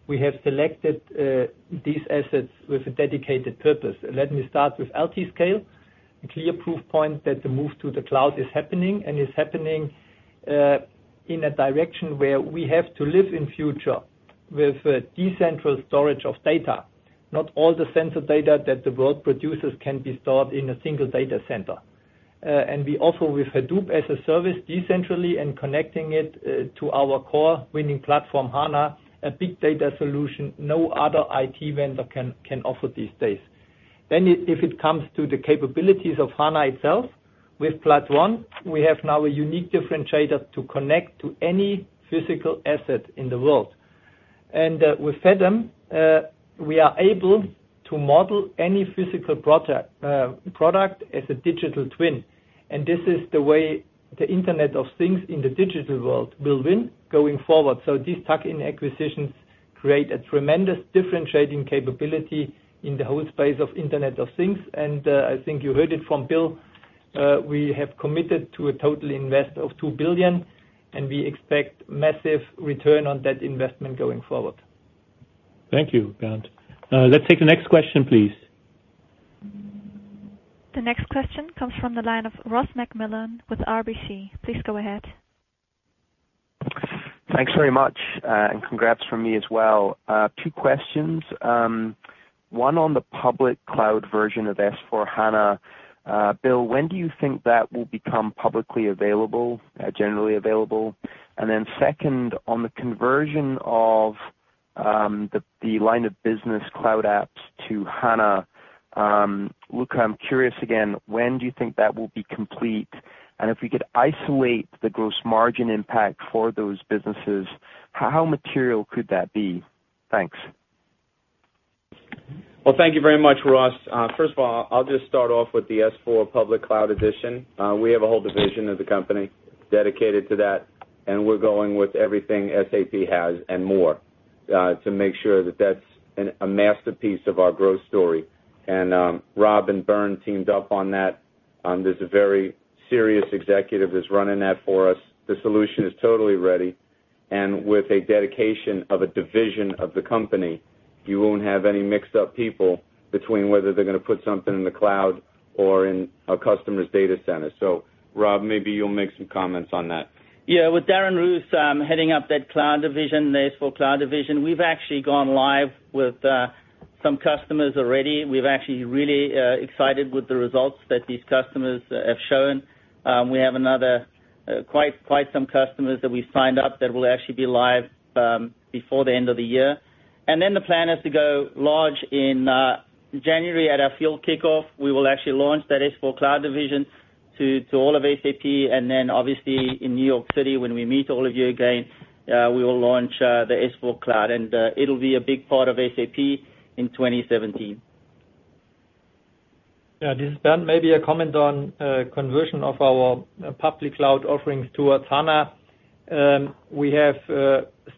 we have selected these assets with a dedicated purpose. Let me start with Altiscale, a clear proof point that the move to the cloud is happening and is happening in a direction where we have to live in future with decentral storage of data. Not all the sensor data that the world produces can be stored in a single data center. We also, with Hadoop as a service, decentrally and connecting it to our core winning platform, HANA, a big data solution no other IT vendor can offer these days. If it comes to the capabilities of HANA itself, with PLAT.ONE, we have now a unique differentiator to connect to any physical asset in the world. With Fedem, we are able to model any physical product as a digital twin, this is the way the Internet of Things in the digital world will win going forward. These tuck-in acquisitions create a tremendous differentiating capability in the whole space of Internet of Things. I think you heard it from Bill, we have committed to a total invest of 2 billion, and we expect massive return on that investment going forward. Thank you, Bernd. Let's take the next question, please. The next question comes from the line of Ross MacMillan with RBC. Please go ahead. Thanks very much, and congrats from me as well. Two questions. One on the public cloud version of S/4HANA. Bill, when do you think that will become publicly available, generally available? Second, on the conversion of The line of business cloud apps to HANA. Luka, I'm curious again, when do you think that will be complete? If we could isolate the gross margin impact for those businesses, how material could that be? Thanks. Thank you very much, Ross. First of all, I'll just start off with the S/4 public cloud edition. We have a whole division of the company dedicated to that, we're going with everything SAP has and more, to make sure that that's a masterpiece of our growth story. Rob and Bernd teamed up on that. There's a very serious executive that's running that for us. The solution is totally ready, with a dedication of a division of the company, you won't have any mixed-up people between whether they're going to put something in the cloud or in a customer's data center. Rob, maybe you'll make some comments on that. Yeah. With Darren Roos heading up that S/4 cloud division, we've actually gone live with some customers already. We're actually really excited with the results that these customers have shown. We have quite some customers that we signed up that will actually be live before the end of the year. The plan is to go large in January at our field kickoff. We will actually launch that S/4 cloud division to all of SAP. Obviously, in New York City, when we meet all of you again, we will launch the S/4 cloud, and it'll be a big part of SAP in 2017. Yeah, this is Bernd. Maybe a comment on conversion of our public cloud offerings towards HANA. We have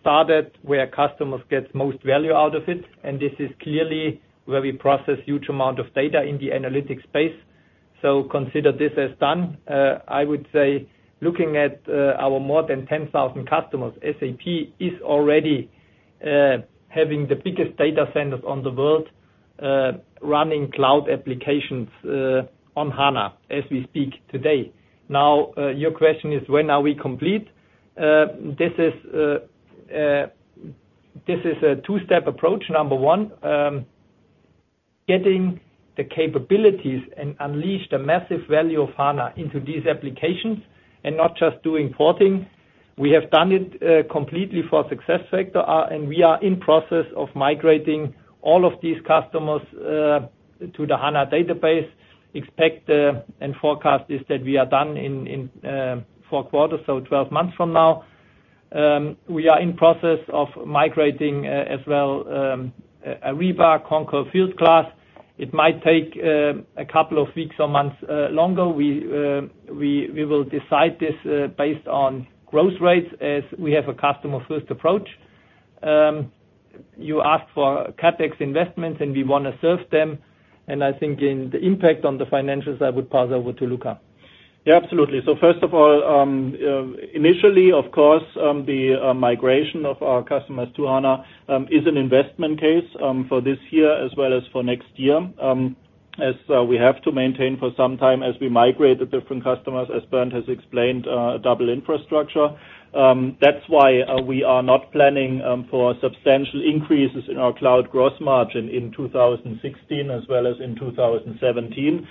started where customers get the most value out of it, this is clearly where we process a huge amount of data in the analytics space. Consider this as done. I would say, looking at our more than 10,000 customers, SAP is already having the biggest data centers in the world, running cloud applications on HANA as we speak today. Your question is, when are we complete? This is a two-step approach. Number one, getting the capabilities and unleashing the massive value of HANA into these applications and not just doing porting. We have done it completely for SuccessFactors, we are in the process of migrating all of these customers to the HANA database. Expect and forecast is that we are done in four quarters, so 12 months from now. We are in the process of migrating as well, Ariba, Concur, Fieldglass. It might take a couple of weeks or months longer. We will decide this based on growth rates as we have a customer-first approach. You asked for CapEx investments, we want to serve them. I think the impact on the financials, I would pass over to Luka. Yeah, absolutely. First of all, initially, of course, the migration of our customers to HANA is an investment case for this year as well as for next year, as we have to maintain for some time as we migrate the different customers, as Bernd has explained, a double infrastructure. That's why we are not planning for substantial increases in our cloud gross margin in 2016 as well as in 2017.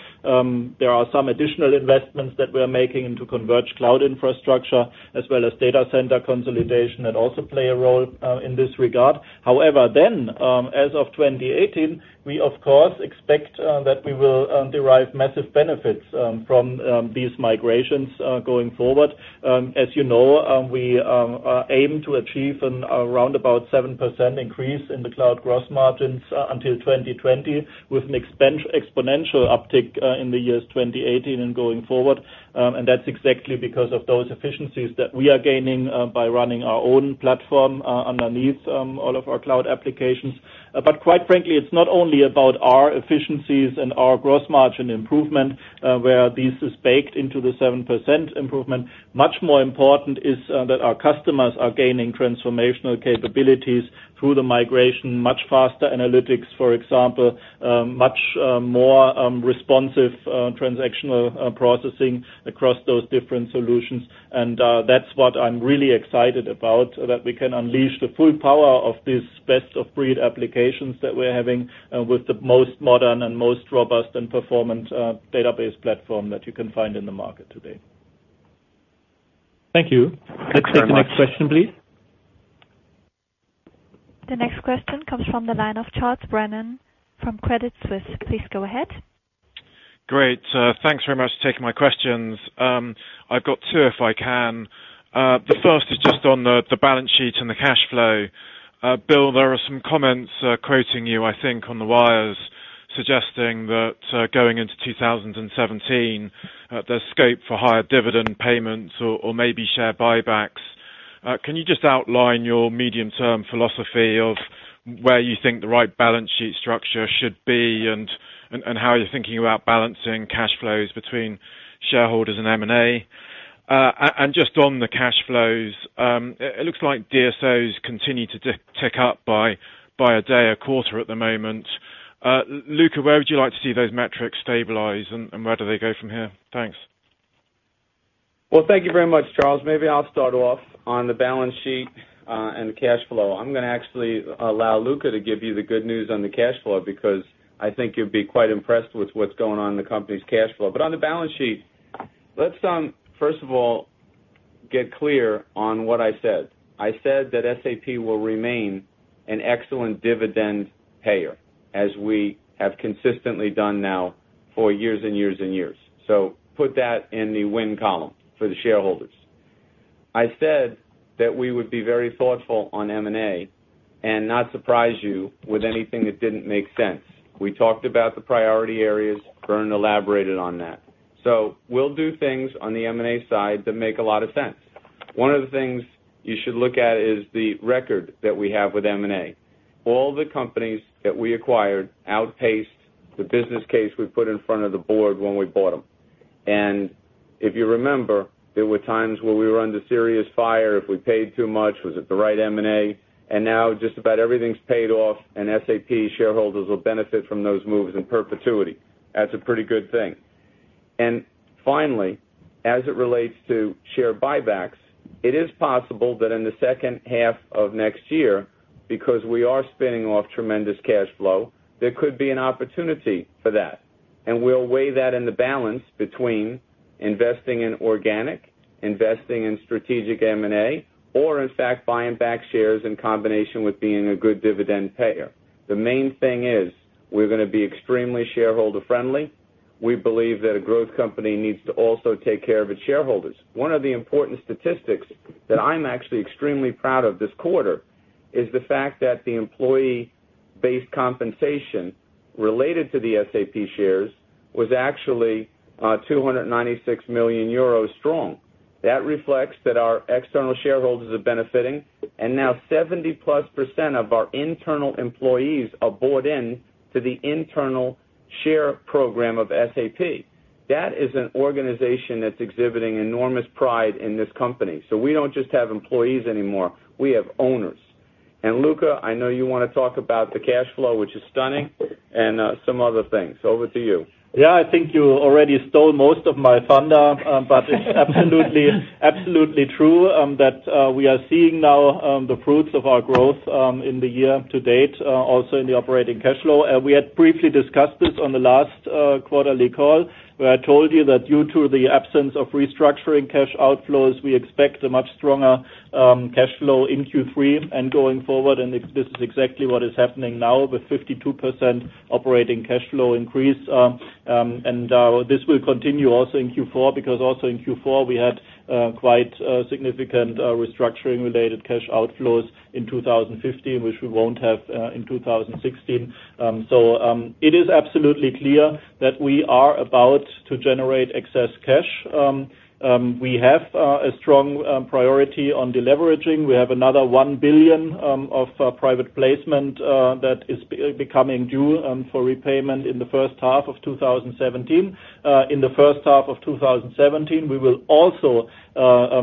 There are some additional investments that we're making into converged cloud infrastructure as well as data center consolidation that also play a role in this regard. However, as of 2018, we of course expect that we will derive massive benefits from these migrations going forward. As you know, we aim to achieve around about a 7% increase in the cloud gross margins until 2020 with an exponential uptick in the years 2018 and going forward. That's exactly because of those efficiencies that we are gaining by running our own platform underneath all of our cloud applications. Quite frankly, it's not only about our efficiencies and our gross margin improvement, where this is baked into the 7% improvement. Much more important is that our customers are gaining transformational capabilities through the migration, much faster analytics, for example, much more responsive transactional processing across those different solutions. That's what I'm really excited about, that we can unleash the full power of these best-of-breed applications that we're having with the most modern and most robust and performant database platform that you can find in the market today. Thank you. Thanks very much. Let's take the next question, please. The next question comes from the line of Charles Brennan from Credit Suisse. Please go ahead. Great. Thanks very much for taking my questions. I've got two if I can. The first is just on the balance sheet and the cash flow. Bill, there are some comments quoting you, I think, on the wires suggesting that going into 2017, there's scope for higher dividend payments or maybe share buybacks. Can you just outline your medium-term philosophy of where you think the right balance sheet structure should be and how you're thinking about balancing cash flows between shareholders and M&A? Just on the cash flows, it looks like DSOs continue to tick up by a day a quarter at the moment. Luka, where would you like to see those metrics stabilize and where do they go from here? Thanks. Well, thank you very much, Charles. Maybe I'll start off on the balance sheet and the cash flow. I'm going to actually allow Luka to give you the good news on the cash flow because I think you'll be quite impressed with what's going on in the company's cash flow. On the balance sheet Let's first of all get clear on what I said. I said that SAP will remain an excellent dividend payer, as we have consistently done now for years and years and years. Put that in the win column for the shareholders. I said that we would be very thoughtful on M&A and not surprise you with anything that didn't make sense. We talked about the priority areas. Bernd elaborated on that. We'll do things on the M&A side that make a lot of sense. One of the things you should look at is the record that we have with M&A. All the companies that we acquired outpaced the business case we put in front of the board when we bought them. If you remember, there were times where we were under serious fire if we paid too much. Was it the right M&A? Now just about everything's paid off, and SAP shareholders will benefit from those moves in perpetuity. That's a pretty good thing. Finally, as it relates to share buybacks, it is possible that in the second half of next year, because we are spinning off tremendous cash flow, there could be an opportunity for that. We'll weigh that in the balance between investing in organic, investing in strategic M&A, or, in fact, buying back shares in combination with being a good dividend payer. The main thing is we're going to be extremely shareholder friendly. We believe that a growth company needs to take care of its shareholders. One of the important statistics that I'm extremely proud of this quarter, is the fact that the employee based-compensation, related to the SAP shares, was actually 296 million euros strong. That reflects that our external shareholders are benefiting, and now 70%+ of our internal employees have bought in to the internal share program of SAP. That is an organization that's exhibiting enormous pride in this company. So we don't just have employees anymore, we have owners. And Luka, I know you want to talk about the cash flow which is stunning, and some other things. So over to you. I think you already stole most of my thunder. It's absolutely true that we are seeing now the fruits of our growth in the year to date, also in the operating cash flow. We had briefly discussed this on the last quarterly call, where I told you that due to the absence of restructuring cash outflows, we expect a much stronger cash flow in Q3 and going forward. This is exactly what is happening now with 52% operating cash flow increase. This will continue also in Q4 because also in Q4 we had quite significant restructuring related cash outflows in 2015, which we won't have in 2016. It is absolutely clear that we are about to generate excess cash. We have a strong priority on deleveraging. We have another 1 billion of private placement that is becoming due for repayment in the first half of 2017. In the first half of 2017, we will also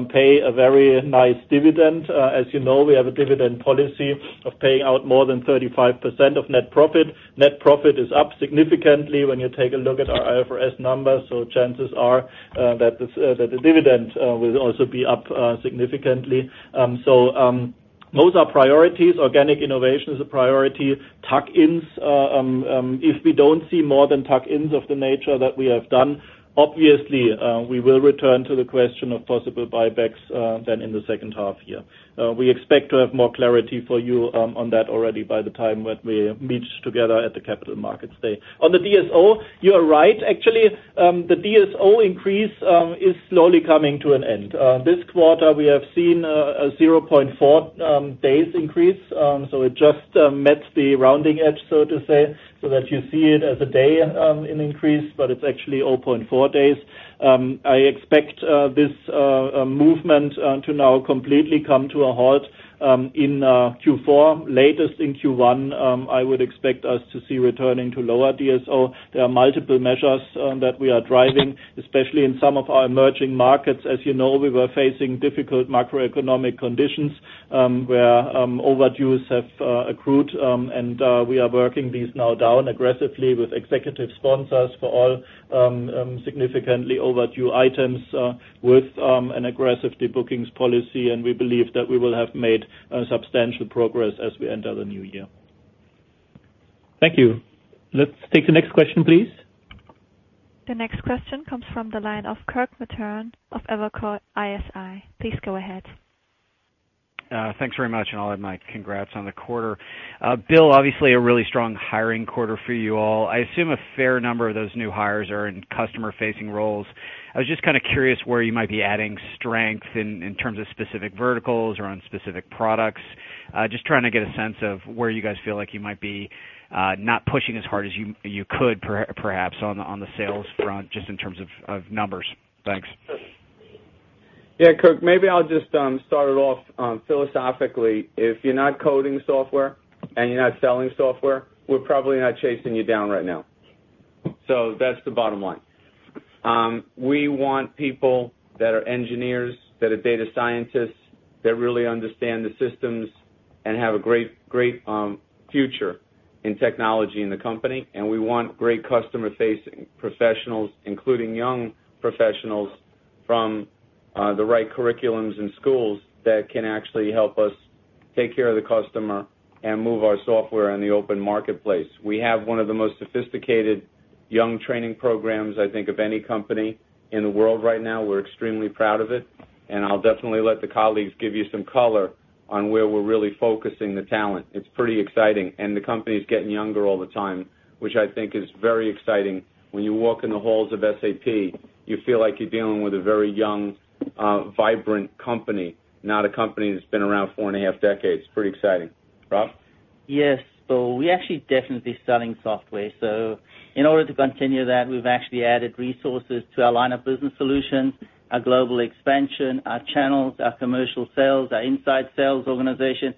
pay a very nice dividend. As you know, we have a dividend policy of paying out more than 35% of net profit. Net profit is up significantly when you take a look at our IFRS numbers. Chances are that the dividend will also be up significantly. Those are priorities. Organic innovation is a priority. Tuck-ins, if we don't see more than tuck-ins of the nature that we have done, obviously, we will return to the question of possible buybacks then in the second half year. We expect to have more clarity for you on that already by the time that we meet together at the Capital Markets Day. On the DSO, you are right. Actually, the DSO increase is slowly coming to an end. This quarter, we have seen a 0.4 days increase. It just met the rounding edge, so to say, so that you see it as a day in increase, but it's actually 0.4 days. I expect this movement to now completely come to a halt in Q4. Latest in Q1, I would expect us to see returning to lower DSO. There are multiple measures that we are driving, especially in some of our emerging markets. As you know, we were facing difficult macroeconomic conditions, where overdues have accrued. We are working these now down aggressively with executive sponsors for all significantly overdue items with an aggressive de-bookings policy. We believe that we will have made substantial progress as we enter the new year. Thank you. Let's take the next question, please. The next question comes from the line of Kirk Materne of Evercore ISI. Please go ahead. Thanks very much, and all of my congrats on the quarter. Bill, obviously a really strong hiring quarter for you all. I assume a fair number of those new hires are in customer-facing roles. I was just kind of curious where you might be adding strength in terms of specific verticals or on specific products. Just trying to get a sense of where you guys feel like you might be not pushing as hard as you could perhaps on the sales front, just in terms of numbers. Thanks. Kirk. Maybe I'll just start it off philosophically. If you're not coding software and you're not selling software, we're probably not chasing you down right now. That's the bottom line. We want people that are engineers, that are data scientists, that really understand the systems and have a great future in technology in the company. We want great customer-facing professionals, including young professionals from the right curriculums and schools that can actually help us take care of the customer, and move our software in the open marketplace. We have one of the most sophisticated young training programs, I think, of any company in the world right now. We're extremely proud of it. I'll definitely let the colleagues give you some color on where we're really focusing the talent. It's pretty exciting. The company is getting younger all the time, which I think is very exciting. When you walk in the halls of SAP, you feel like you're dealing with a very young, vibrant company, not a company that's been around four and a half decades. Pretty exciting. Rob? Yes. We actually definitely selling software. In order to continue that, we've actually added resources to our line of business solutions, our global expansion, our channels, our commercial sales, our inside sales organization.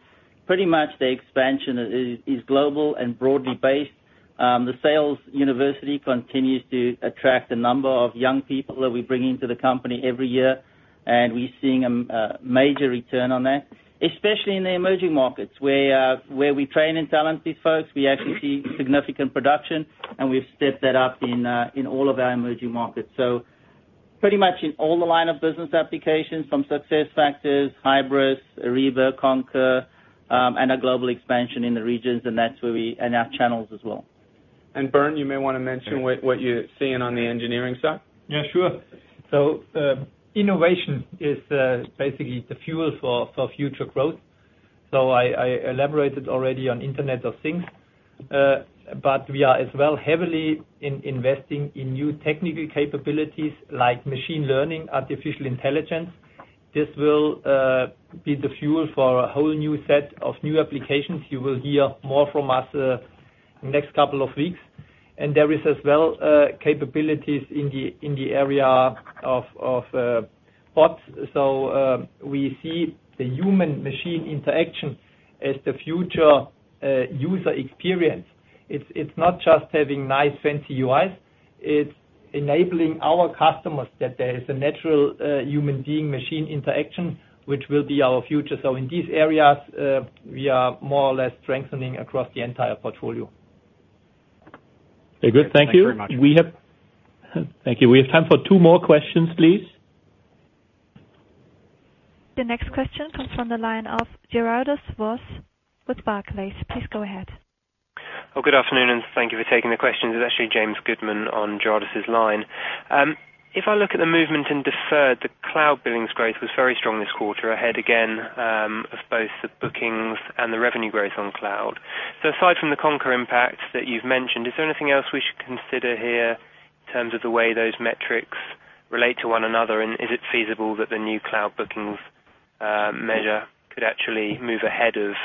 Pretty much the expansion is global and broadly based. The sales university continues to attract a number of young people that we bring into the company every year, and we're seeing a major return on that, especially in the emerging markets where we train and talent these folks. We actually see significant production, and we've stepped that up in all of our emerging markets. Pretty much in all the line of business applications, from SuccessFactors, Hybris, Ariba, Concur, Our global expansion in the regions, and our channels as well. Bernd, you may want to mention what you're seeing on the engineering side. Sure. Innovation is basically the fuel for future growth. I elaborated already on Internet of Things. We are as well heavily investing in new technical capabilities like machine learning, artificial intelligence. This will be the fuel for a whole new set of new applications. You will hear more from us next couple of weeks. There is as well capabilities in the area of bots. We see the human machine interaction as the future user experience. It's not just having nice fancy UIs. It's enabling our customers that there is a natural human being machine interaction, which will be our future. In these areas, we are more or less strengthening across the entire portfolio. Very good. Thank you. Thank you very much. Thank you. We have time for two more questions, please. The next question comes from the line of Gerardus Vos with Barclays. Please go ahead. Well, good afternoon, and thank you for taking the questions. It's actually James Goodman on Gerardus' line. If I look at the movement in deferred, the cloud billings growth was very strong this quarter, ahead again of both the bookings and the revenue growth on cloud. Aside from the Concur impact that you've mentioned, is there anything else we should consider here in terms of the way those metrics relate to one another? Is it feasible that the new cloud bookings measure could actually move ahead of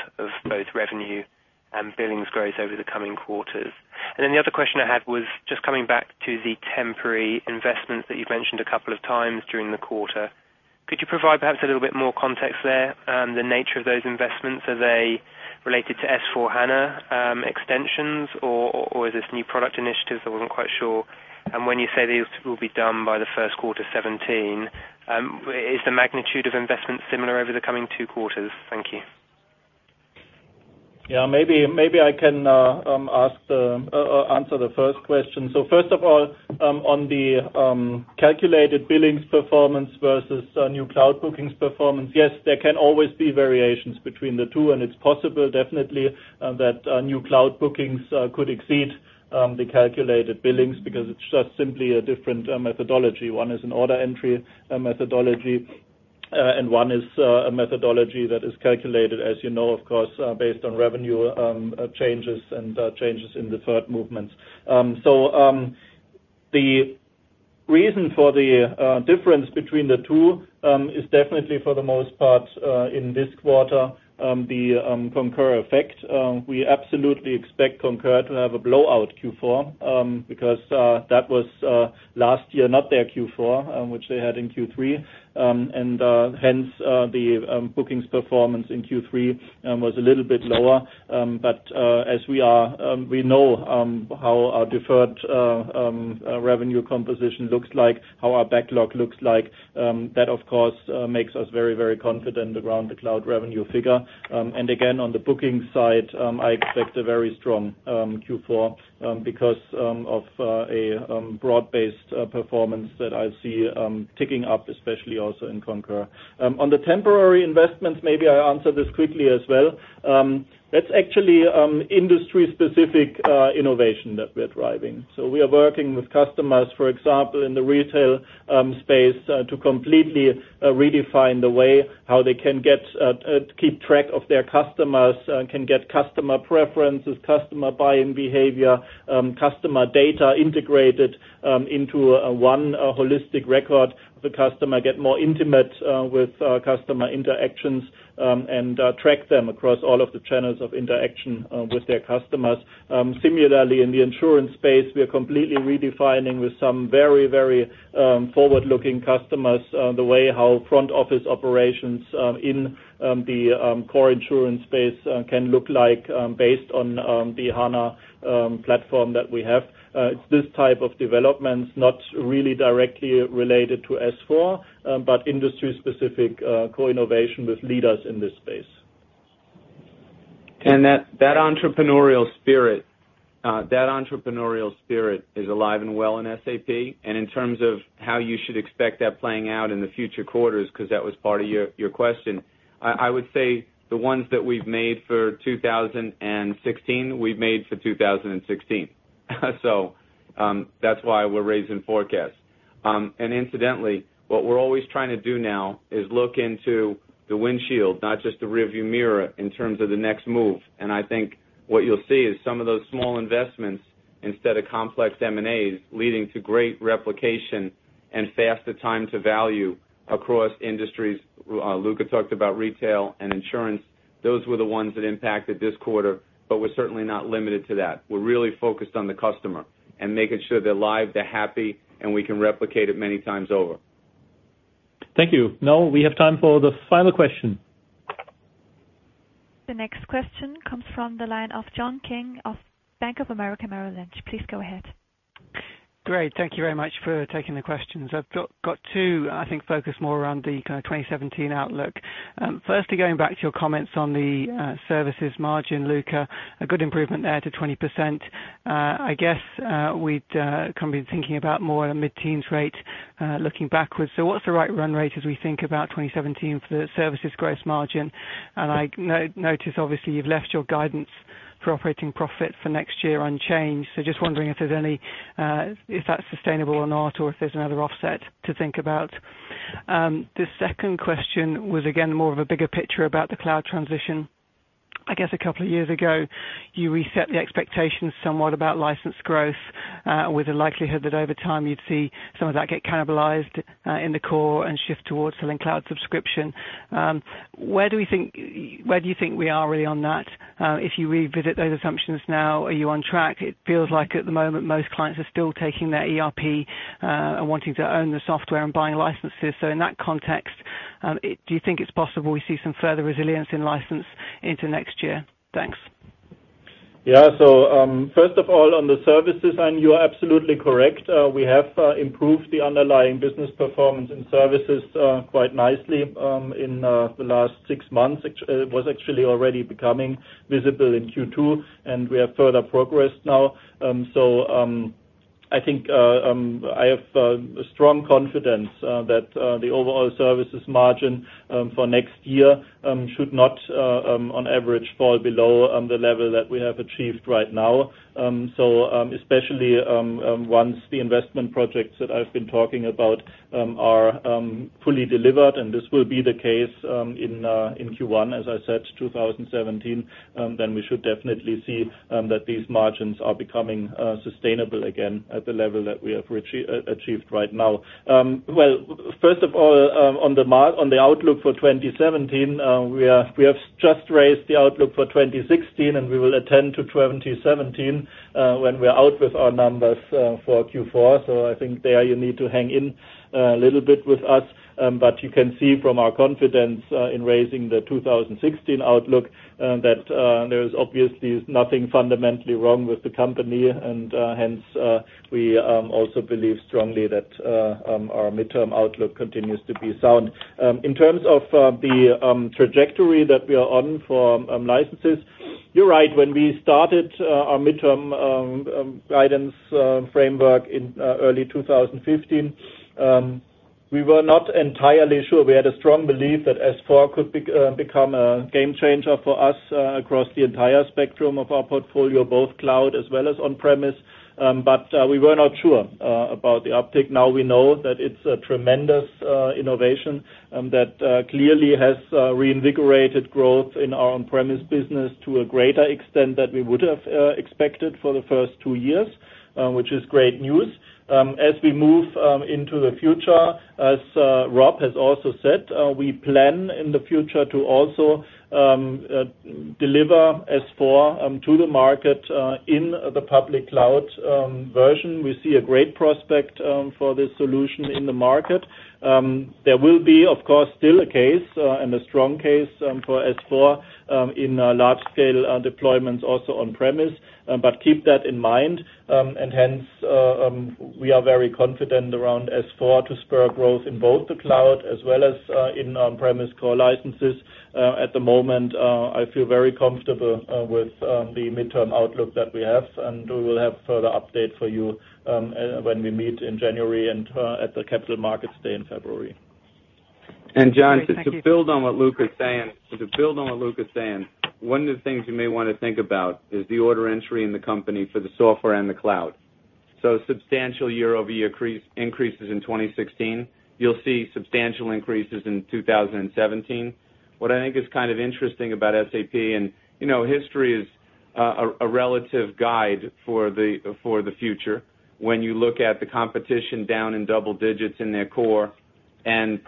both revenue and billings growth over the coming quarters? The other question I had was just coming back to the temporary investments that you've mentioned a couple of times during the quarter. Could you provide perhaps a little bit more context there? The nature of those investments, are they related to S/4HANA extensions, or is this new product initiatives? I wasn't quite sure. When you say these will be done by the first quarter 2017, is the magnitude of investment similar over the coming two quarters? Thank you. Yeah, maybe I can answer the first question. First of all, on the calculated billings performance versus new cloud bookings performance, yes, there can always be variations between the two, and it's possible definitely that new cloud bookings could exceed the calculated billings because it's just simply a different methodology. One is an order entry methodology, and one is a methodology that is calculated, as you know, of course, based on revenue changes and changes in deferred movements. The reason for the difference between the two, is definitely for the most part, in this quarter, the Concur effect. We absolutely expect Concur to have a blowout Q4, because that was last year, not their Q4, which they had in Q3. Hence, the bookings performance in Q3 was a little bit lower. As we know how our deferred revenue composition looks like, how our backlog looks like, that of course, makes us very, very confident around the cloud revenue figure. Again, on the booking side, I expect a very strong Q4 because of a broad-based performance that I see ticking up, especially also in Concur. On the temporary investments, maybe I answer this quickly as well. That's actually industry-specific innovation that we're driving. We are working with customers, for example, in the retail space, to completely redefine the way how they can keep track of their customers, can get customer preferences, customer buying behavior, customer data integrated into one holistic record. The customer get more intimate with customer interactions, and track them across all of the channels of interaction with their customers. Similarly, in the insurance space, we are completely redefining with some very, very forward-looking customers, the way how front office operations in the core insurance space can look like, based on the HANA platform that we have. It's this type of development, not really directly related to S/4, but industry-specific co-innovation with leaders in this space. That entrepreneurial spirit is alive and well in SAP. In terms of how you should expect that playing out in the future quarters, because that was part of your question, I would say the ones that we've made for 2016, we've made for 2016. That's why we're raising forecasts. Incidentally, what we're always trying to do now is look into the windshield, not just the rear view mirror, in terms of the next move. I think what you'll see is some of those small investments instead of complex M&As leading to great replication and faster time to value across industries. Luka talked about retail and insurance. Those were the ones that impacted this quarter, but we're certainly not limited to that. We're really focused on the customer and making sure they're alive, they're happy, and we can replicate it many times over. Thank you. We have time for the final question. The next question comes from the line of John King of Bank of America Merrill Lynch. Please go ahead. Great. Thank you very much for taking the questions. I've got two, I think, focused more around the kind of 2017 outlook. Firstly, going back to your comments on the services margin, Luka, a good improvement there to 20%. I guess, we'd, kind of been thinking about more mid-teens rate, looking backwards. What's the right run rate as we think about 2017 for the services gross margin? I notice obviously you've left your guidance for operating profit for next year unchanged. Just wondering if that's sustainable or not, or if there's another offset to think about. The second question was, again, more of a bigger picture about the cloud transition. I guess a couple of years ago, you reset the expectations somewhat about license growth, with the likelihood that over time you'd see some of that get cannibalized in the core and shift towards selling cloud subscription. Where do you think we are really on that? If you revisit those assumptions now, are you on track? It feels like at the moment, most clients are still taking their ERP, and wanting to own the software and buying licenses. In that context, do you think it's possible we see some further resilience in license into next year? Thanks. Yeah. First of all, on the services side, you are absolutely correct. We have improved the underlying business performance and services quite nicely in the last six months. It was actually already becoming visible in Q2, and we have further progressed now. I have a strong confidence that the overall services margin for next year should not, on average, fall below the level that we have achieved right now. Especially once the investment projects that I've been talking about are fully delivered, and this will be the case in Q1, as I said, 2017, we should definitely see that these margins are becoming sustainable again at the level that we have achieved right now. Well, first of all, on the outlook for 2017, we have just raised the outlook for 2016, we will attend to 2017, when we're out with our numbers for Q4. I think there you need to hang in a little bit with us. You can see from our confidence in raising the 2016 outlook that there's obviously nothing fundamentally wrong with the company. We also believe strongly that our midterm outlook continues to be sound. In terms of the trajectory that we are on for licenses, you're right. When we started our midterm guidance framework in early 2015, we were not entirely sure. We had a strong belief that S/4 could become a game changer for us across the entire spectrum of our portfolio, both cloud as well as on-premise. We were not sure about the uptick. Now we know that it's a tremendous innovation that clearly has reinvigorated growth in our on-premise business to a greater extent than we would have expected for the first two years, which is great news. John, to build on what Luka is saying, one of the things you may want to think about is the order entry in the company for the software and the cloud. Substantial year-over-year increases in 2016. You'll see substantial increases in 2017. What I think is kind of interesting about SAP, and history is a relative guide for the future. When you look at the competition down in double digits in their core and propping up concrete and servers as a cloud model versus software, we kind of like the idea that our core is solid, our cloud is solid, SMB business network, and an ever-expanding ecosystem that also wants our applications in their clouds. As we move into the future, as Rob has also said, we plan in the future to also deliver S/4 to the market, in the public cloud version. We see a great prospect for this solution in the market. There will be, of course, still a case and a strong case for S/4 in large scale deployments also on-premise. Keep that in mind, and hence, we are very confident around S/4 to spur growth in both the cloud as well as in on-premise core licenses. At the moment, I feel very comfortable with the midterm outlook that we have, and we will have further update for you when we meet in January and at the Capital Markets Day in February. When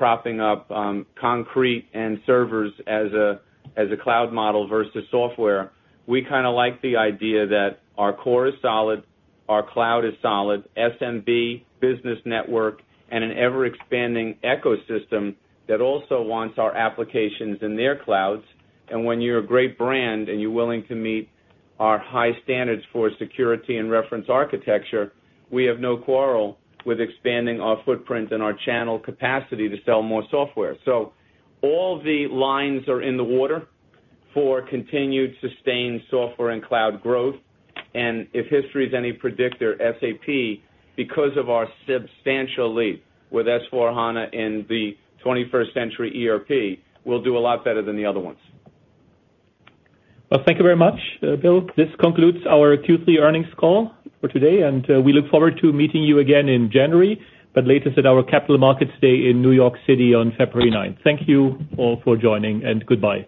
you're a great brand and you're willing to meet our high standards for security and reference architecture, we have no quarrel with expanding our footprint and our channel capacity to sell more software. All the lines are in the water for continued sustained software and cloud growth. If history is any predictor, SAP, because of our substantial leap with S/4HANA in the 21st century ERP, will do a lot better than the other ones. Well, thank you very much, Bill. This concludes our Q3 earnings call for today, and we look forward to meeting you again in January, but latest at our Capital Markets Day in New York City on February 9th. Thank you all for joining, and goodbye.